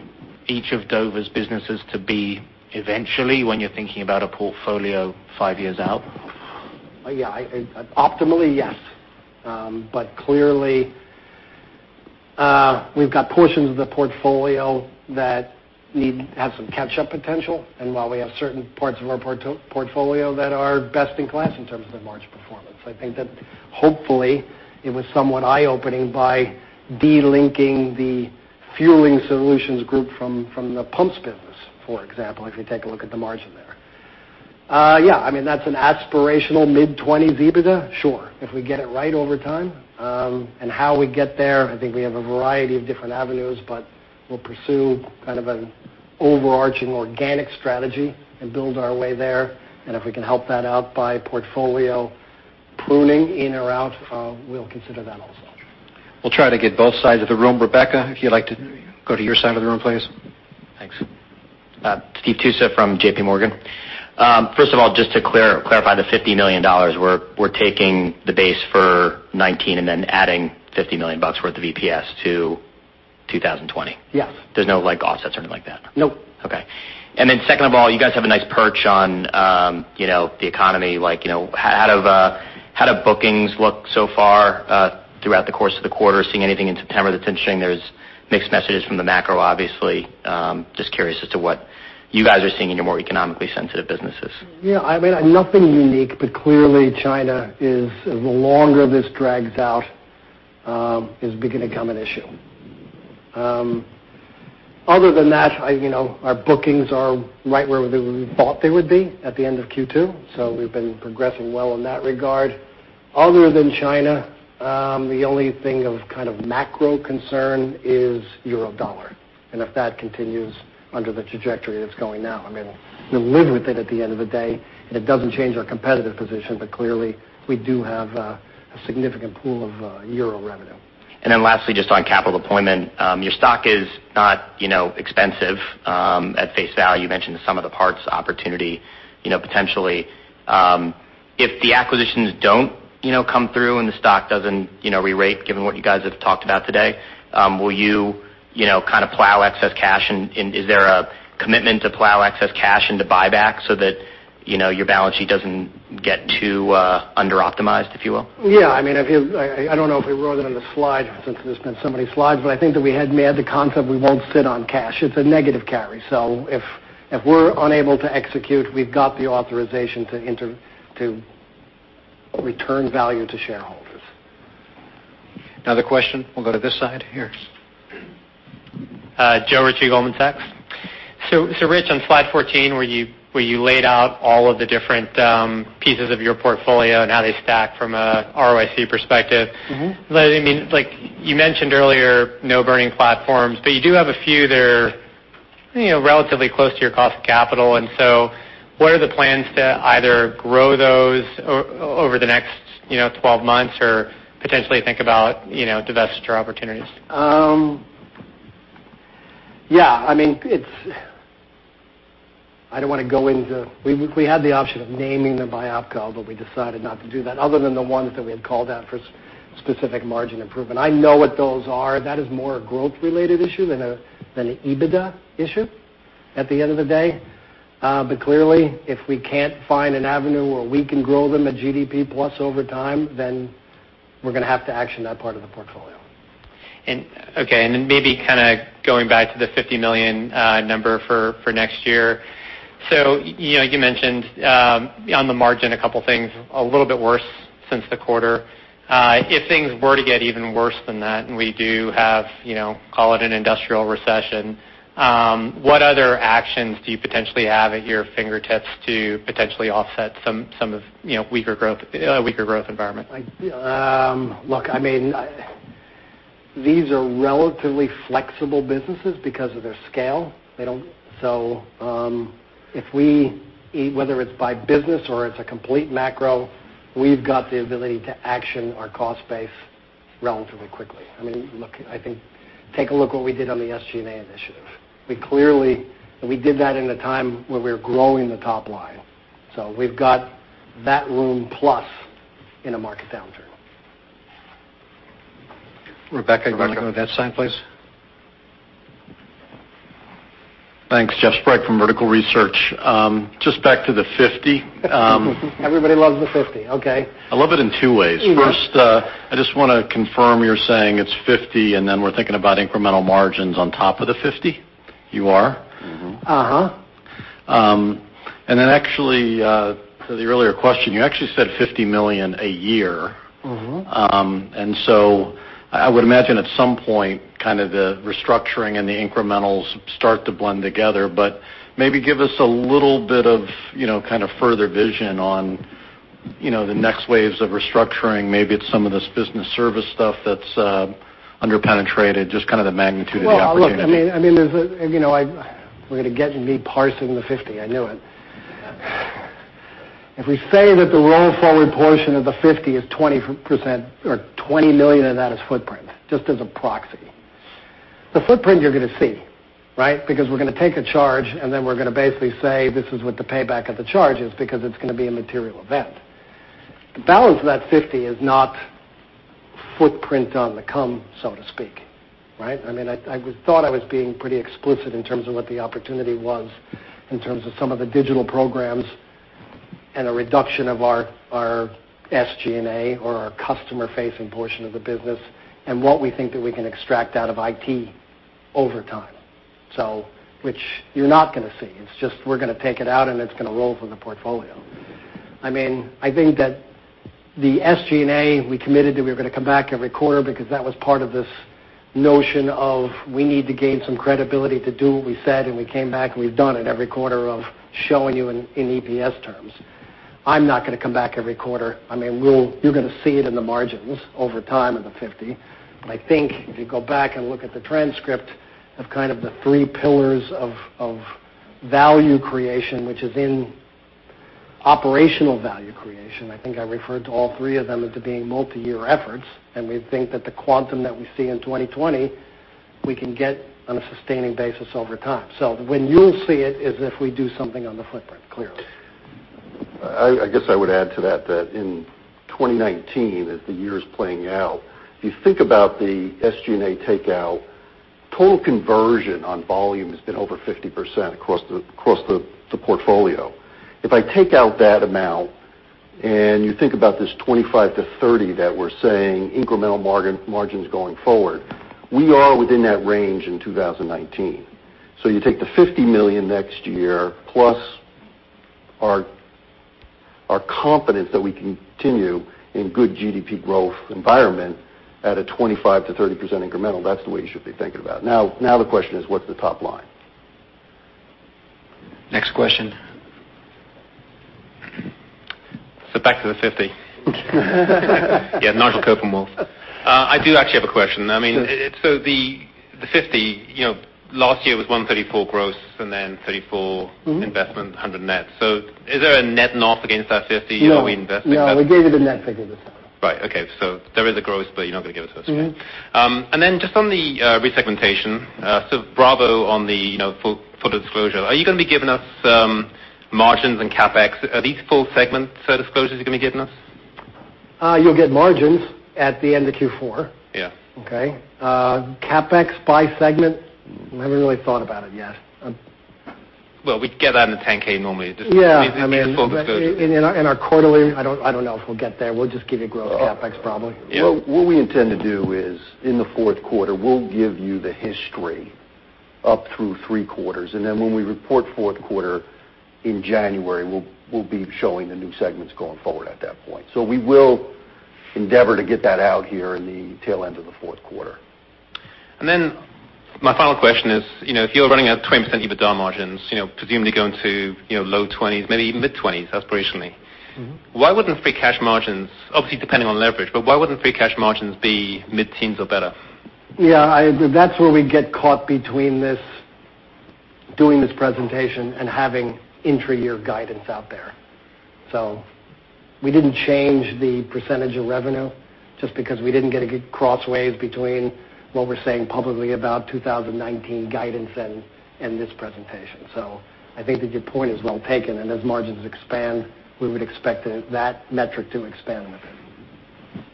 each of Dover's businesses to be eventually when you're thinking about a portfolio five years out? Optimally, yes. Clearly, we've got portions of the portfolio that have some catch-up potential, and while we have certain parts of our portfolio that are best in class in terms of their margin performance. I think that hopefully it was somewhat eye-opening by de-linking the Fueling Solutions Group from the pumps business, for example, if you take a look at the margin there. That's an aspirational mid-20s% EBITDA. Sure. If we get it right over time. How we get there, I think we have a variety of different avenues, but we'll pursue kind of an overarching organic strategy and build our way there. If we can help that out by portfolio pruning in or out, we'll consider that also. We'll try to get both sides of the room. Rebecca, if you'd like to go to your side of the room, please. Thanks. Steve Tusa from J.P. Morgan. First of all, just to clarify the $50 million, we're taking the base for 2019 and then adding $50 million worth of EPS to 2020? Yes. There's no offsets or anything like that? No. Okay. Second of all, you guys have a nice perch on the economy. How do bookings look so far throughout the course of the quarter, seeing anything in September that's interesting? There's mixed messages from the macro, obviously. Just curious as to what you guys are seeing in your more economically sensitive businesses. Nothing unique, clearly China is, the longer this drags out, is going to become an issue. Other than that, our bookings are right where we thought they would be at the end of Q2. We've been progressing well in that regard. Other than China, the only thing of kind of macro concern is euro-dollar, if that continues under the trajectory that's going now. We'll live with it at the end of the day, it doesn't change our competitive position, clearly, we do have a significant pool of euro revenue. Lastly, just on capital deployment. Your stock is not expensive at face value. You mentioned the sum of the parts opportunity, potentially. If the acquisitions don't come through and the stock doesn't re-rate, given what you guys have talked about today, will you kind of plow excess cash, and is there a commitment to plow excess cash into buyback so that your balance sheet doesn't get too under-optimized, if you will? Yeah. I don't know if we wrote it on the slide since there's been so many slides, but I think that we had the concept we won't sit on cash. It's a negative carry. If we're unable to execute, we've got the authorization to return value to shareholders. Another question. We'll go to this side here. Joe Ritchie, Goldman Sachs. Rich, on slide 14, where you laid out all of the different pieces of your portfolio and how they stack from a ROIC perspective. You mentioned earlier no burning platforms, but you do have a few that are relatively close to your cost of capital. What are the plans to either grow those over the next 12 months or potentially think about divestiture opportunities? Yeah. I don't want to go into. We had the option of naming them by opco, but we decided not to do that, other than the ones that we had called out for specific margin improvement. I know what those are. That is more a growth-related issue than an EBITDA issue at the end of the day. Clearly, if we can't find an avenue where we can grow them at GDP plus over time, then we're going to have to action that part of the portfolio. Okay. Maybe kind of going back to the $50 million number for next year. You mentioned on the margin a couple things, a little bit worse since the quarter. If things were to get even worse than that, and we do have, call it an industrial recession, what other actions do you potentially have at your fingertips to potentially offset some of weaker growth environment? Look, these are relatively flexible businesses because of their scale. We've got the ability to action our cost base relatively quickly. Take a look what we did on the SG&A initiative. We did that in a time where we were growing the top line. We've got that room plus in a market downturn. Rebecca, do you want to go to that side, please? Thanks. Jeff Sprague from Vertical Research. Just back to the 50. Everybody loves the 50. Okay. I love it in two ways. I just want to confirm you're saying it's 50, and then we're thinking about incremental margins on top of the 50. You are? Mm-hmm. Uh-huh. To the earlier question, you actually said $50 million a year. I would imagine at some point, the restructuring and the incrementals start to blend together. Maybe give us a little bit of further vision on the next waves of restructuring. Maybe it's some of this business service stuff that's under-penetrated, just the magnitude of the opportunity. We're going to get me parsing the $50 million. I knew it. If we say that the roll-forward portion of the $50 million is 20% or $20 million of that is footprint, just as a proxy. The footprint you're going to see. We're going to take a charge and then we're going to basically say, "This is what the payback of the charge is," because it's going to be a material event. The balance of that $50 million is not footprint on the come, so to speak. I thought I was being pretty explicit in terms of what the opportunity was in terms of some of the digital programs and a reduction of our SG&A or our customer-facing portion of the business, and what we think that we can extract out of IT over time. Which you're not going to see. It's just we're going to take it out and it's going to roll from the portfolio. I think that the SG&A, we committed that we were going to come back every quarter because that was part of this notion of we need to gain some credibility to do what we said, and we came back and we've done it every quarter of showing you in EPS terms. I'm not going to come back every quarter. You're going to see it in the margins over time in the 50. I think if you go back and look at the transcript of kind of the three pillars of value creation, which is in operational value creation, I think I referred to all three of them as being multi-year efforts, and we think that the quantum that we see in 2020, we can get on a sustaining basis over time. When you'll see it is if we do something on the footprint, clearly. I guess I would add to that in 2019, as the year is playing out, if you think about the SG&A takeout, total conversion on volume has been over 50% across the portfolio. If I take out that amount and you think about this 25%-30% that we're saying incremental margins going forward, we are within that range in 2019. You take the $50 million next year plus our confidence that we continue in good GDP growth environment at a 25%-30% incremental. That's the way you should be thinking about it. The question is, what's the top line? Next question. Back to the 50. Yeah, Nigel Coe. I do actually have a question. Sure. The $50, last year was $134 gross and then $34. investment, $100 net. Is there a net off against our $50 or are we investing? No. We gave you the net figure this time. Right. Okay. There is a gross, you're not going to give it to us again. Mm-mm. Then just on the resegmentation, so bravo on the full disclosure. Are you going to be giving us margins and CapEx? Are these full segment disclosures you're going to be giving us? You'll get margins at the end of Q4. Yeah. Okay? CapEx by segment, I haven't really thought about it yet. Well, we'd get that in the 10-K normally. Yeah. Just full disclosure. In our quarterly, I don't know if we'll get there. We'll just give you gross CapEx probably. Yeah. What we intend to do is in the fourth quarter, we'll give you the history up through three quarters, and then when we report fourth quarter in January, we'll be showing the new segments going forward at that point. We will endeavor to get that out here in the tail end of the fourth quarter. My final question is, if you're running at 20% EBITDA margins, presumably going to low 20s, maybe even mid-20s aspirationally. Why wouldn't free cash margins, obviously depending on leverage, but why wouldn't free cash margins be mid-teens or better? Yeah. That's where we get caught between doing this presentation and having intra-year guidance out there. We didn't change the percentage of revenue just because we didn't get a good crosswalk between what we're saying publicly about 2019 guidance and this presentation. I think that your point is well taken, and as margins expand, we would expect that metric to expand with it.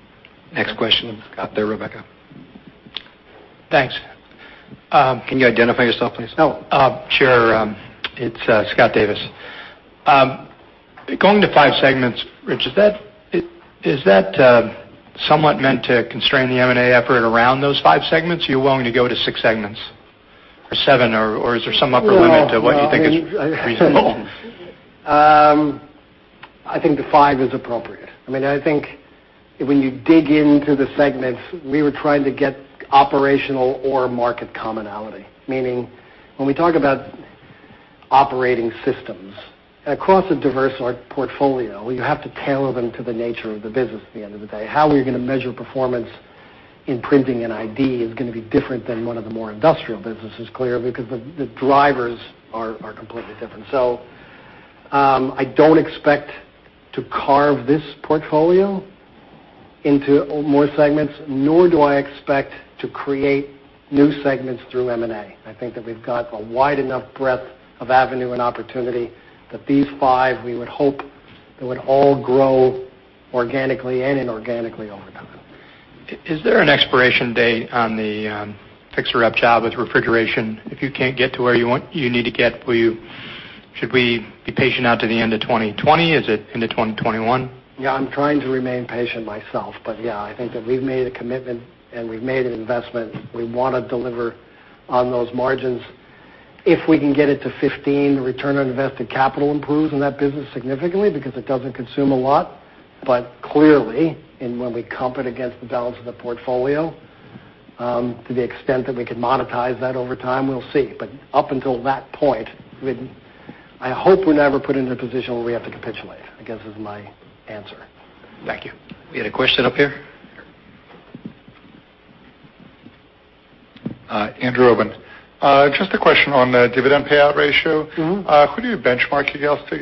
Next question. Scott there, Rebecca. Thanks. Can you identify yourself, please? Oh, sure. It's Scott Davis. Going to five segments, Rich, is that somewhat meant to constrain the M&A effort around those five segments, or you're willing to go to six segments or seven, or is there some upper limit? No to what you think is reasonable? I think the 5 is appropriate. I think when you dig into the segments, we were trying to get operational or market commonality. When we talk about operating systems across a diverse portfolio, you have to tailor them to the nature of the business at the end of the day. How are you going to measure performance in printing and ID is going to be different than one of the more industrial businesses, clearly, because the drivers are completely different. I don't expect to carve this portfolio into more segments, nor do I expect to create new segments through M&A. I think that we've got a wide enough breadth of avenue and opportunity that these 5, we would hope, they would all grow organically and inorganically over time. Is there an expiration date on the fix-it-up job with refrigeration? If you can't get to where you need to get, should we be patient out to the end of 2020? Is it into 2021? I'm trying to remain patient myself. I think that we've made a commitment and we've made an investment. We want to deliver on those margins. If we can get it to 15, the return on invested capital improves in that business significantly because it doesn't consume a lot. Clearly, and when we comp it against the balance of the portfolio, to the extent that we could monetize that over time, we'll see. Up until that point, I hope we're never put into a position where we have to capitulate, I guess is my answer. Thank you. We had a question up here. Andrew Obin. Just a question on the dividend payout ratio. Who do you benchmark against?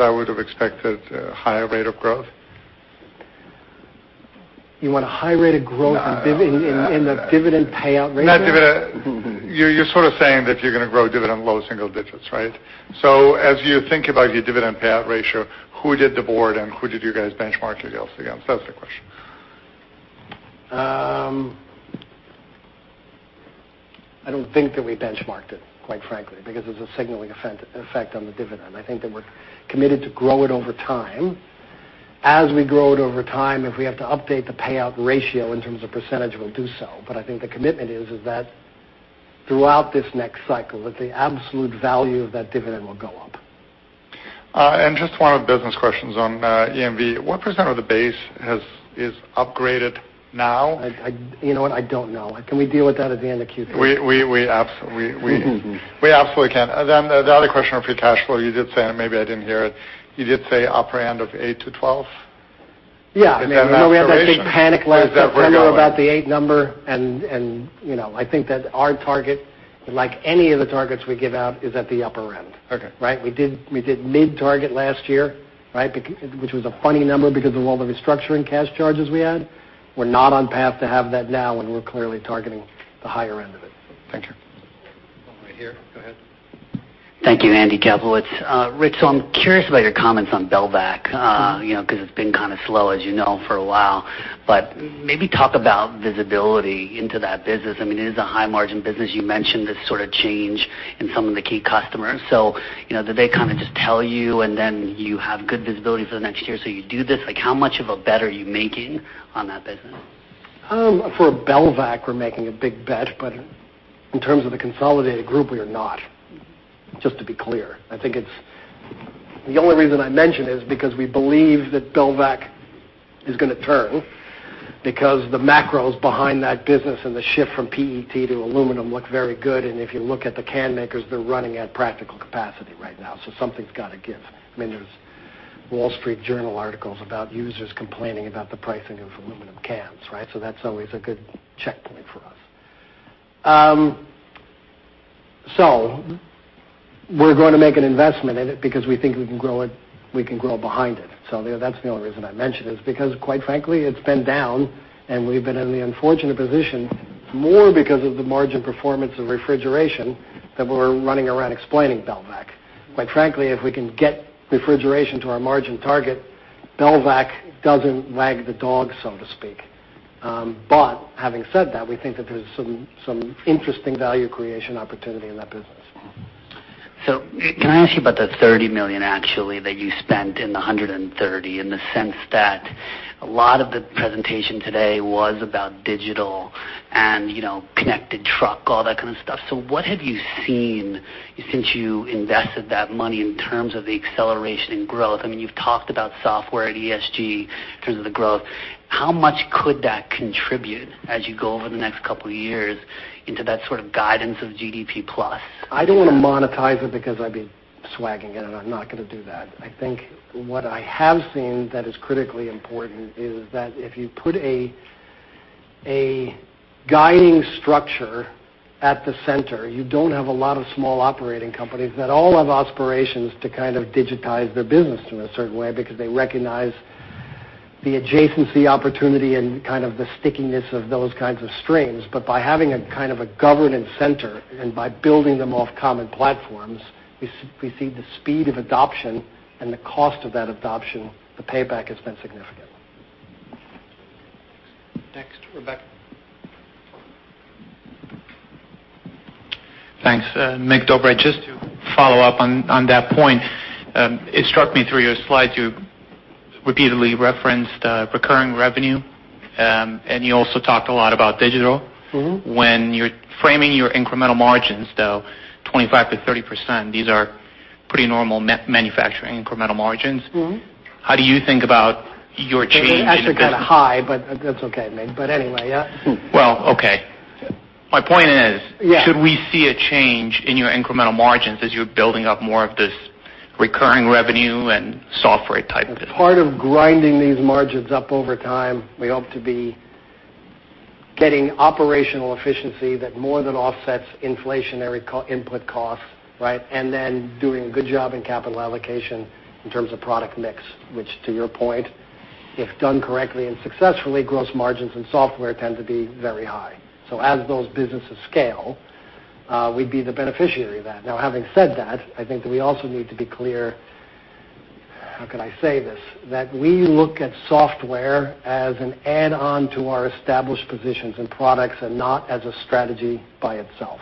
I would've expected a higher rate of growth. You want a high rate of growth. No. -in the dividend payout ratio? Not dividend. You're sort of saying that you're going to grow dividend low single digits, right? As you think about your dividend payout ratio, who did the board and who did you guys benchmark against? That's the question. I don't think that we benchmarked it, quite frankly, because there's a signaling effect on the dividend. I think that we're committed to grow it over time. As we grow it over time, if we have to update the payout ratio in terms of percentage, we'll do so. I think the commitment is that throughout this next cycle, that the absolute value of that dividend will go up. Just one of the business questions on EMV. What % of the base is upgraded now? You know what? I don't know. Can we deal with that at the end of Q3? We absolutely can. The other question on free cash flow, you did say, and maybe I didn't hear it, you did say upper end of eight to 12? Yeah. Is that aspiration? We had that big panic last September. Is that where you're going? about the eight number, and I think that our target, like any of the targets we give out, is at the upper end. Okay. Right? We did mid target last year, right? Which was a funny number because of all the restructuring cash charges we had. We're not on path to have that now, and we're clearly targeting the higher end of it. Thank you. One right here. Go ahead. Thank you. Andy Kaplowitz. Rich, I'm curious about your comments on Belvac, because it's been kind of slow, as you know, for a while. Maybe talk about visibility into that business. It is a high-margin business. You mentioned this sort of change in some of the key customers. Do they kind of just tell you, and then you have good visibility for the next year, so you do this? How much of a bet are you making on that business? For Belvac, we're making a big bet, but in terms of the consolidated group, we are not. Just to be clear. I think the only reason I mention is because we believe that Belvac is going to turn because the macros behind that business and the shift from PET to aluminum look very good. If you look at the can makers, they're running at practical capacity right now, so something's got to give. There's The Wall Street Journal articles about users complaining about the pricing of aluminum cans, right? That's always a good checkpoint for us. We're going to make an investment in it because we think we can grow behind it. That's the only reason I mention is because, quite frankly, it's been down, and we've been in the unfortunate position more because of the margin performance of refrigeration than we're running around explaining Belvac. Quite frankly, if we can get refrigeration to our margin target, Belvac doesn't wag the dog, so to speak. Having said that, we think that there's some interesting value creation opportunity in that business. Can I ask you about the $30 million actually that you spent in the 130, in the sense that a lot of the presentation today was about digital and connected truck, all that kind of stuff. What have you seen since you invested that money in terms of the acceleration in growth? You've talked about software at ESG in terms of the growth. How much could that contribute as you go over the next couple of years into that sort of guidance of GDP plus? I don't want to monetize it because I'd be swagging it, and I'm not going to do that. I think what I have seen that is critically important is that if you put a guiding structure at the center, you don't have a lot of small operating companies that all have aspirations to digitize their business in a certain way because they recognize the adjacency opportunity and kind of the stickiness of those kinds of streams. By having a kind of a governance center and by building them off common platforms, we see the speed of adoption and the cost of that adoption, the payback has been significant. Next, Rebecca. Thanks. Mick Dover. Just to follow up on that point. It struck me through your slides, you repeatedly referenced recurring revenue, and you also talked a lot about digital. When you're framing your incremental margins, though, 25%-30%, these are pretty normal manufacturing incremental margins. How do you think about your change in the business? They were actually kind of high, but that's okay, Mick. Anyway, yeah. Well, okay. Yeah Should we see a change in your incremental margins as you're building up more of this recurring revenue and software type business? Part of grinding these margins up over time, we hope to be getting operational efficiency that more than offsets inflationary input costs. Doing a good job in capital allocation in terms of product mix, which to your point, if done correctly and successfully, gross margins and software tend to be very high. As those businesses scale, we'd be the beneficiary of that. Having said that, I think that we also need to be clear, how can I say this, that we look at software as an add-on to our established positions and products and not as a strategy by itself.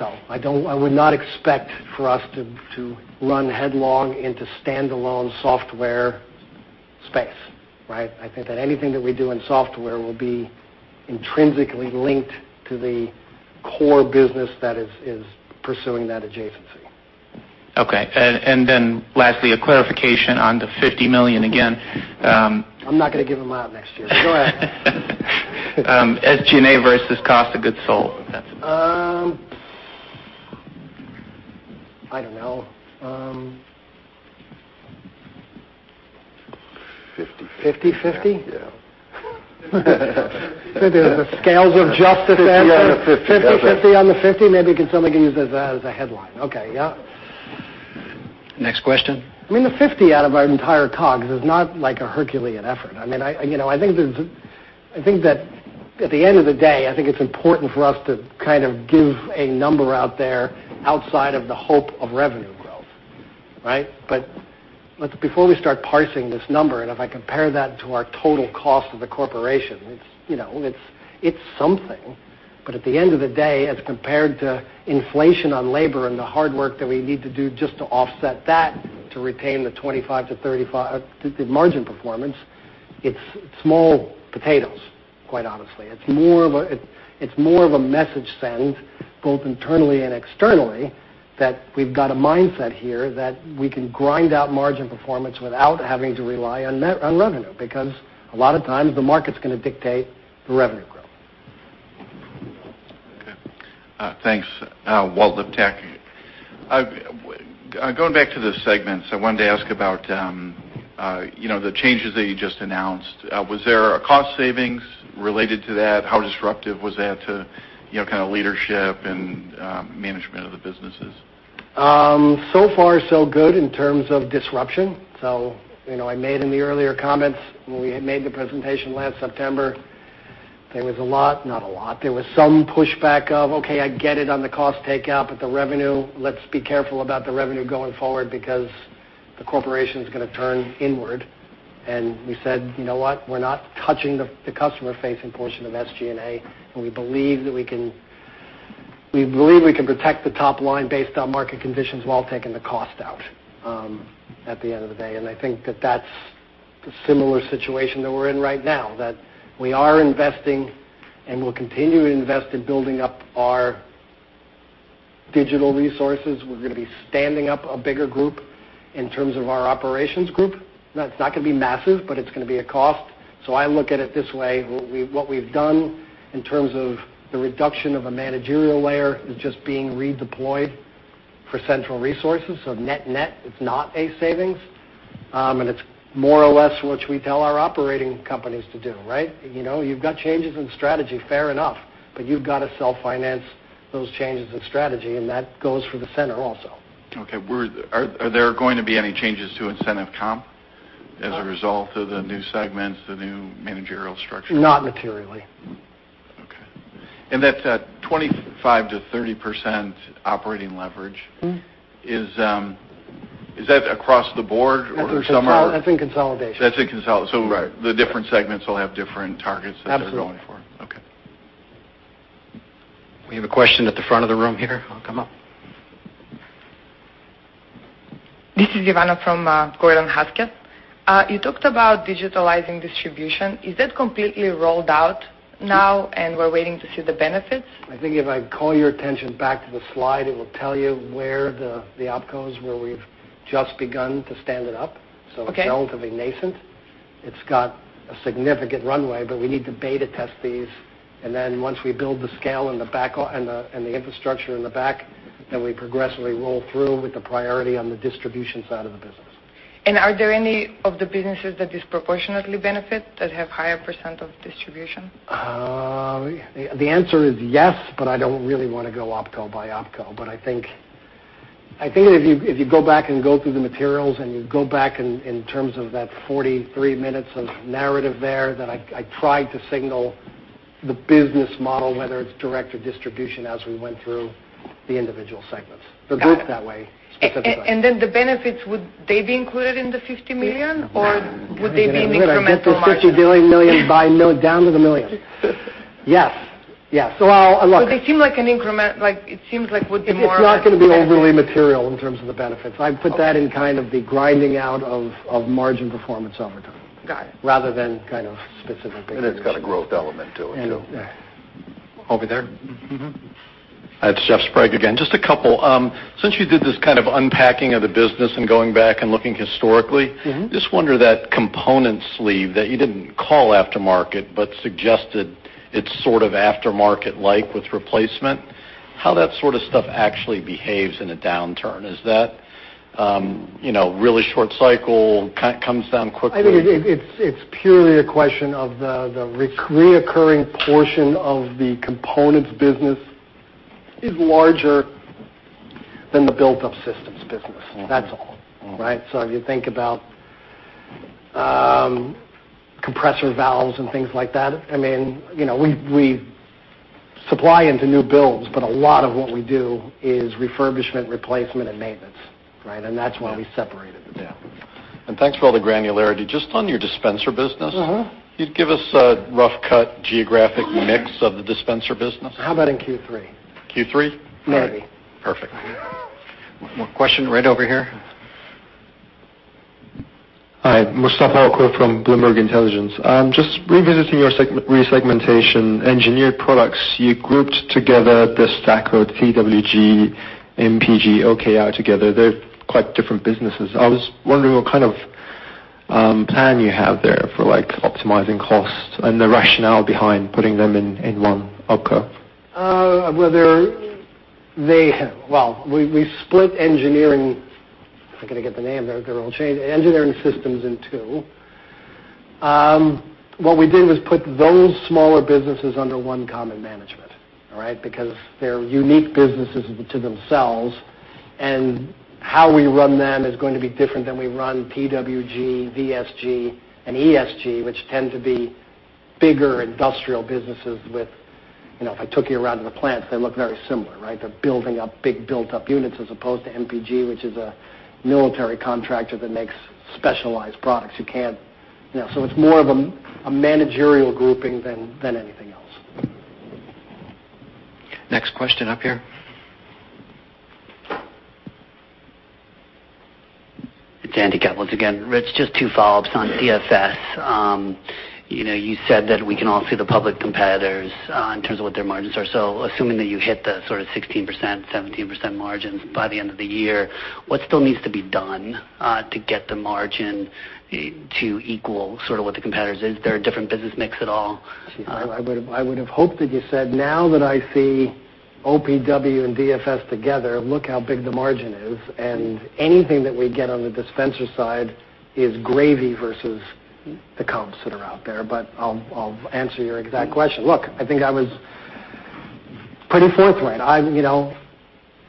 I would not expect for us to run headlong into standalone software space. I think that anything that we do in software will be intrinsically linked to the core business that is pursuing that adjacency. Okay. Then lastly, a clarification on the $50 million again. I'm not going to give a mile next year. Go ahead. SG&A versus cost of goods sold. I don't know. 50/50. 50/50? Yeah. The scales of justice answer. 50/50. 50 on the 50. Maybe somebody can use that as a headline. Okay. Yeah. Next question. The 50 out of our entire COGS is not like a Herculean effort. At the end of the day, I think it's important for us to kind of give a number out there outside of the hope of revenue growth. Before we start parsing this number, and if I compare that to our total cost of the corporation, it's something. At the end of the day, as compared to inflation on labor and the hard work that we need to do just to offset that, to retain the 25%-35% margin performance, it's small potatoes, quite honestly. It's more of a message send, both internally and externally, that we've got a mindset here that we can grind out margin performance without having to rely on revenue. A lot of times, the market's going to dictate the revenue growth. Okay. Thanks. Walt Liptak. Going back to the segments, I wanted to ask about the changes that you just announced. Was there a cost savings related to that? How disruptive was that to leadership and management of the businesses? Far so good in terms of disruption. I made in the earlier comments when we had made the presentation last September, there was some pushback of, "Okay, I get it on the cost takeout, but the revenue, let's be careful about the revenue going forward because the corporation's going to turn inward." We said, "You know what? We're not touching the customer-facing portion of SG&A, and we believe we can protect the top line based on market conditions while taking the cost out at the end of the day." I think that's the similar situation that we're in right now, that we are investing and will continue to invest in building up our digital resources. We're going to be standing up a bigger group in terms of our operations group. That's not going to be massive, but it's going to be a cost. I look at it this way. What we've done in terms of the reduction of a managerial layer is just being redeployed for central resources. Net, it's not a savings, and it's more or less what we tell our operating companies to do. You've got changes in strategy, fair enough, but you've got to self-finance those changes in strategy, and that goes for the center also. Are there going to be any changes to incentive comp as a result of the new segments, the new managerial structure? Not materially. Okay. That 25%-30% operating leverage, is that across the board or somewhere? That's in consolidation. That's in consolidation. Right. The different segments will have different targets that they're Absolutely going for. Okay. We have a question at the front of the room here. Come up. This is Ivana from Gordon Haskett. You talked about digitalizing distribution. Is that completely rolled out now and we're waiting to see the benefits? I think if I call your attention back to the slide, it will tell you where the opco is, where we've just begun to stand it up. Okay. It's relatively nascent. It's got a significant runway, but we need to beta test these. Once we build the scale and the infrastructure in the back, then we progressively roll through with the priority on the distribution side of the business. Are there any of the businesses that disproportionately benefit that have higher % of distribution? The answer is yes. I don't really want to go opco by opco. I think if you go back and go through the materials and you go back in terms of that 43 minutes of narrative there, that I tried to signal the business model, whether it's direct or distribution, as we went through the individual segments. Got it. The group that way specifically. The benefits, would they be included in the $50 million, or would they be in incremental margins? I'm going to get the $50 billion million by down to the million. Yes. They seem like an. It seems like would be. It's not going to be overly material in terms of the benefits. I put that in kind of the grinding out of margin performance over time. Got it. Rather than kind of specific businesses. It's got a growth element to it, too. Over there. Mm-hmm. It's Jeff Sprague again. Just a couple. Since you did this kind of unpacking of the business and going back and looking historically. just wonder that component sleeve that you didn't call aftermarket, but suggested it's sort of aftermarket-like with replacement, how that sort of stuff actually behaves in a downturn. Is that really short cycle, comes down quickly? I think it's purely a question of the reoccurring portion of the components business is larger than the built-up systems business. That's all. Right? If you think about compressor valves and things like that, we supply into new builds, but a lot of what we do is refurbishment, replacement, and maintenance, right? That's why we separated the two. Yeah. Thanks for all the granularity. Just on your dispenser business. you'd give us a rough cut geographic mix of the dispenser business? How about in Q3? Q3? Maybe. All right. Perfect. One more question right over here. Hi, Mustafa Allok from Bloomberg Intelligence. Just revisiting your re-segmentation Engineered Products, you grouped together this stack called PWG, MPG, OKI together. They're quite different businesses. I was wondering what kind of plan you have there for optimizing cost and the rationale behind putting them in one group. Well, we split engineering, if I can get the name, they're all changing, Engineered Systems in two. What we did was put those smaller businesses under one common management, all right? They're unique businesses to themselves, and how we run them is going to be different than we run PWG, VSG, and ESG, which tend to be bigger industrial businesses. If I took you around in the plants, they look very similar, right? They're building up big built-up units as opposed to MPG, which is a military contractor that makes specialized products. It's more of a managerial grouping than anything else. Next question up here. It's Andy Kaplowitz once again. Rich, just two follow-ups on DFS. You said that we can all see the public competitors in terms of what their margins are. Assuming that you hit the sort of 16%, 17% margins by the end of the year, what still needs to be done to get the margin to equal sort of what the competitors is? There are different business mix at all. I would've hoped that you said, "Now that I see OPW and DFS together, look how big the margin is, and anything that we get on the dispenser side is gravy versus the comps that are out there." I'll answer your exact question. Look, I think I was pretty forthright.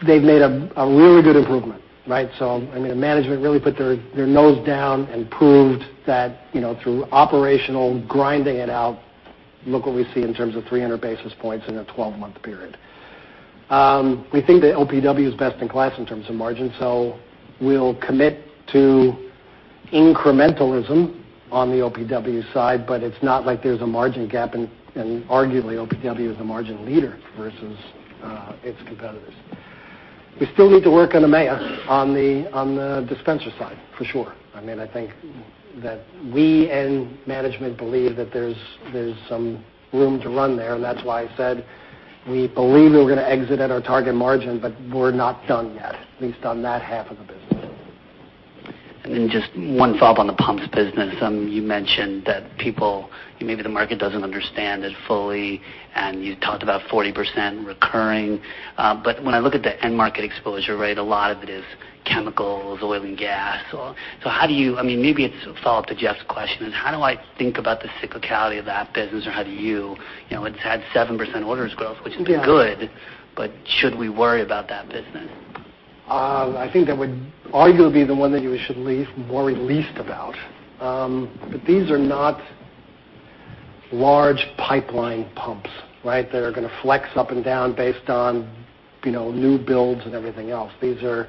They've made a really good improvement, right? The management really put their nose down and proved that through operational grinding it out, look what we see in terms of 300 basis points in a 12-month period. We think that OPW is best in class in terms of margin, we'll commit to incrementalism on the OPW side, it's not like there's a margin gap and arguably OPW is the margin leader versus its competitors. We still need to work on the dispenser side, for sure. I think that we and management believe that there's some room to run there, and that's why I said we believe we were going to exit at our target margin, but we're not done yet, at least on that half of the business. Then just one follow-up on the pumps business. You mentioned that people, maybe the market doesn't understand it fully, and you talked about 40% recurring. When I look at the end market exposure rate, a lot of it is chemicals, oil and gas. How do you-- Maybe it's a follow-up to Jeff's question. How do I think about the cyclicality of that business, or how do you, it's had 7% orders growth, which has been good, but should we worry about that business? I think that would arguably be the one that you should worry least about. These are not large pipeline pumps, right, that are going to flex up and down based on new builds and everything else. These are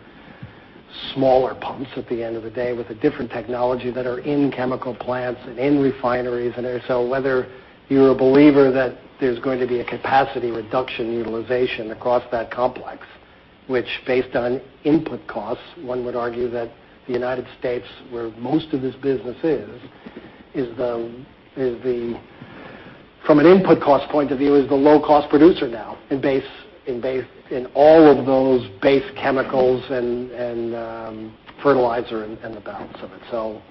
smaller pumps at the end of the day with a different technology that are in chemical plants and in refineries. Whether you're a believer that there's going to be a capacity reduction utilization across that complex, which based on input costs, one would argue that the U.S., where most of this business is, from an input cost point of view, is the low-cost producer now in all of those base chemicals and fertilizer and the balance of it. To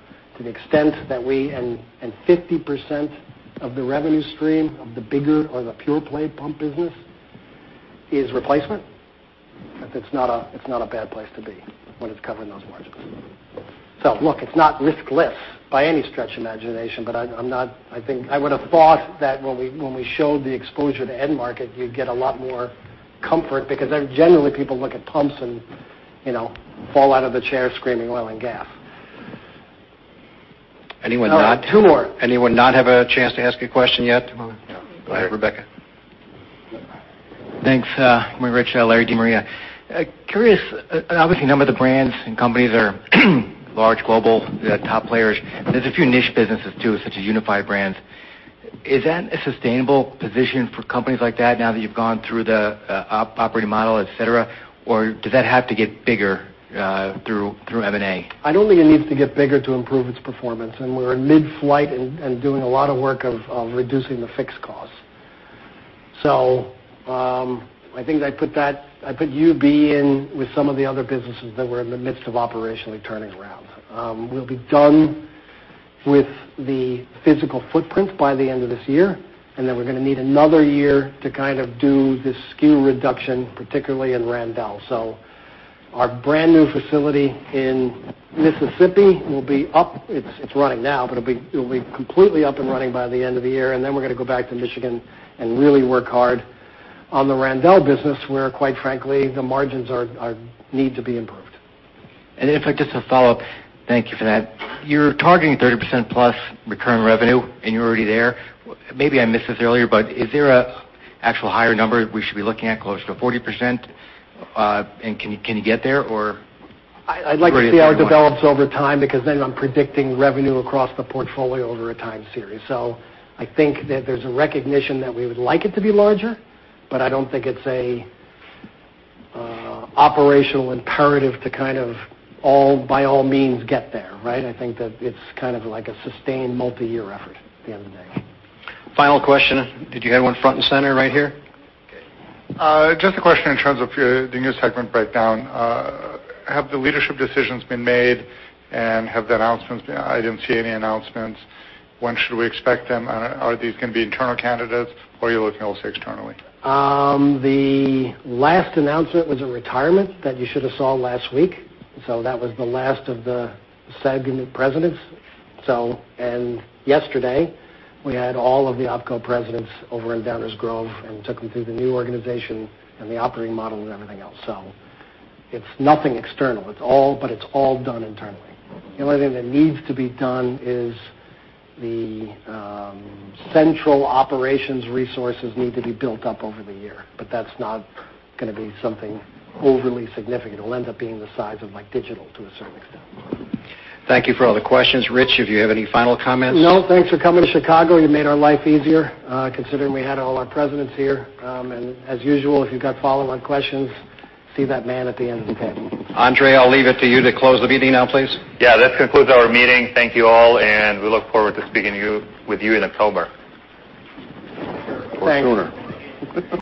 the extent that 50% of the revenue stream of the bigger or the pure play pump business is replacement, it's not a bad place to be when it's covering those margins. Look, it's not riskless by any stretch imagination, but I would've thought that when we showed the exposure to end market, you'd get a lot more comfort because then generally people look at pumps and fall out of the chair screaming oil and gas. Anyone not? Two more. Anyone not have a chance to ask a question yet? Go ahead, Rebecca. Thanks. Good morning, Rich. Larry De Maria. Curious, obviously a number of the brands and companies are large global, they're top players. There's a few niche businesses too, such as Unified Brands. Is that a sustainable position for companies like that now that you've gone through the operating model, et cetera? Or does that have to get bigger through M&A? I don't think it needs to get bigger to improve its performance, and we're in mid-flight and doing a lot of work of reducing the fixed costs. I think I put UB in with some of the other businesses that we're in the midst of operationally turning around. We'll be done with the physical footprint by the end of this year, and then we're going to need another year to do this SKU reduction, particularly in Randell. Our brand-new facility in Mississippi will be up. It's running now, but it'll be completely up and running by the end of the year. We're going to go back to Michigan and really work hard on the Randell business, where, quite frankly, the margins need to be improved. In fact, just to follow up, thank you for that. You're targeting 30% plus recurring revenue, and you're already there. Maybe I missed this earlier, but is there an actual higher number we should be looking at, closer to 40%? Can you get there? I'd like to see how it develops over time, because then I'm predicting revenue across the portfolio over a time series. I think that there's a recognition that we would like it to be larger, but I don't think it's an operational imperative to kind of, by all means, get there. I think that it's kind of a sustained multi-year effort at the end of the day. Final question. Did you have one front and center right here? Okay. Just a question in terms of the new segment breakdown. Have the leadership decisions been made, and have the announcements been made? I didn't see any announcements. When should we expect them? Are these going to be internal candidates, or are you looking also externally? The last announcement was a retirement that you should have saw last week, so that was the last of the segment presidents. Yesterday, we had all of the opco presidents over in Downers Grove and took them through the new organization and the operating model and everything else. It's nothing external. It's all done internally. The only thing that needs to be done is the central operations resources need to be built up over the year, but that's not going to be something overly significant. It'll end up being the size of Digital to a certain extent. Thank you for all the questions. Rich, if you have any final comments? Thanks for coming to Chicago. You made our life easier, considering we had all our presidents here. As usual, if you've got follow-on questions, see that man at the end of the table. Andrey, I'll leave it to you to close the meeting now, please. Yeah, this concludes our meeting. Thank you all, and we look forward to speaking with you in October. Thanks. Sooner.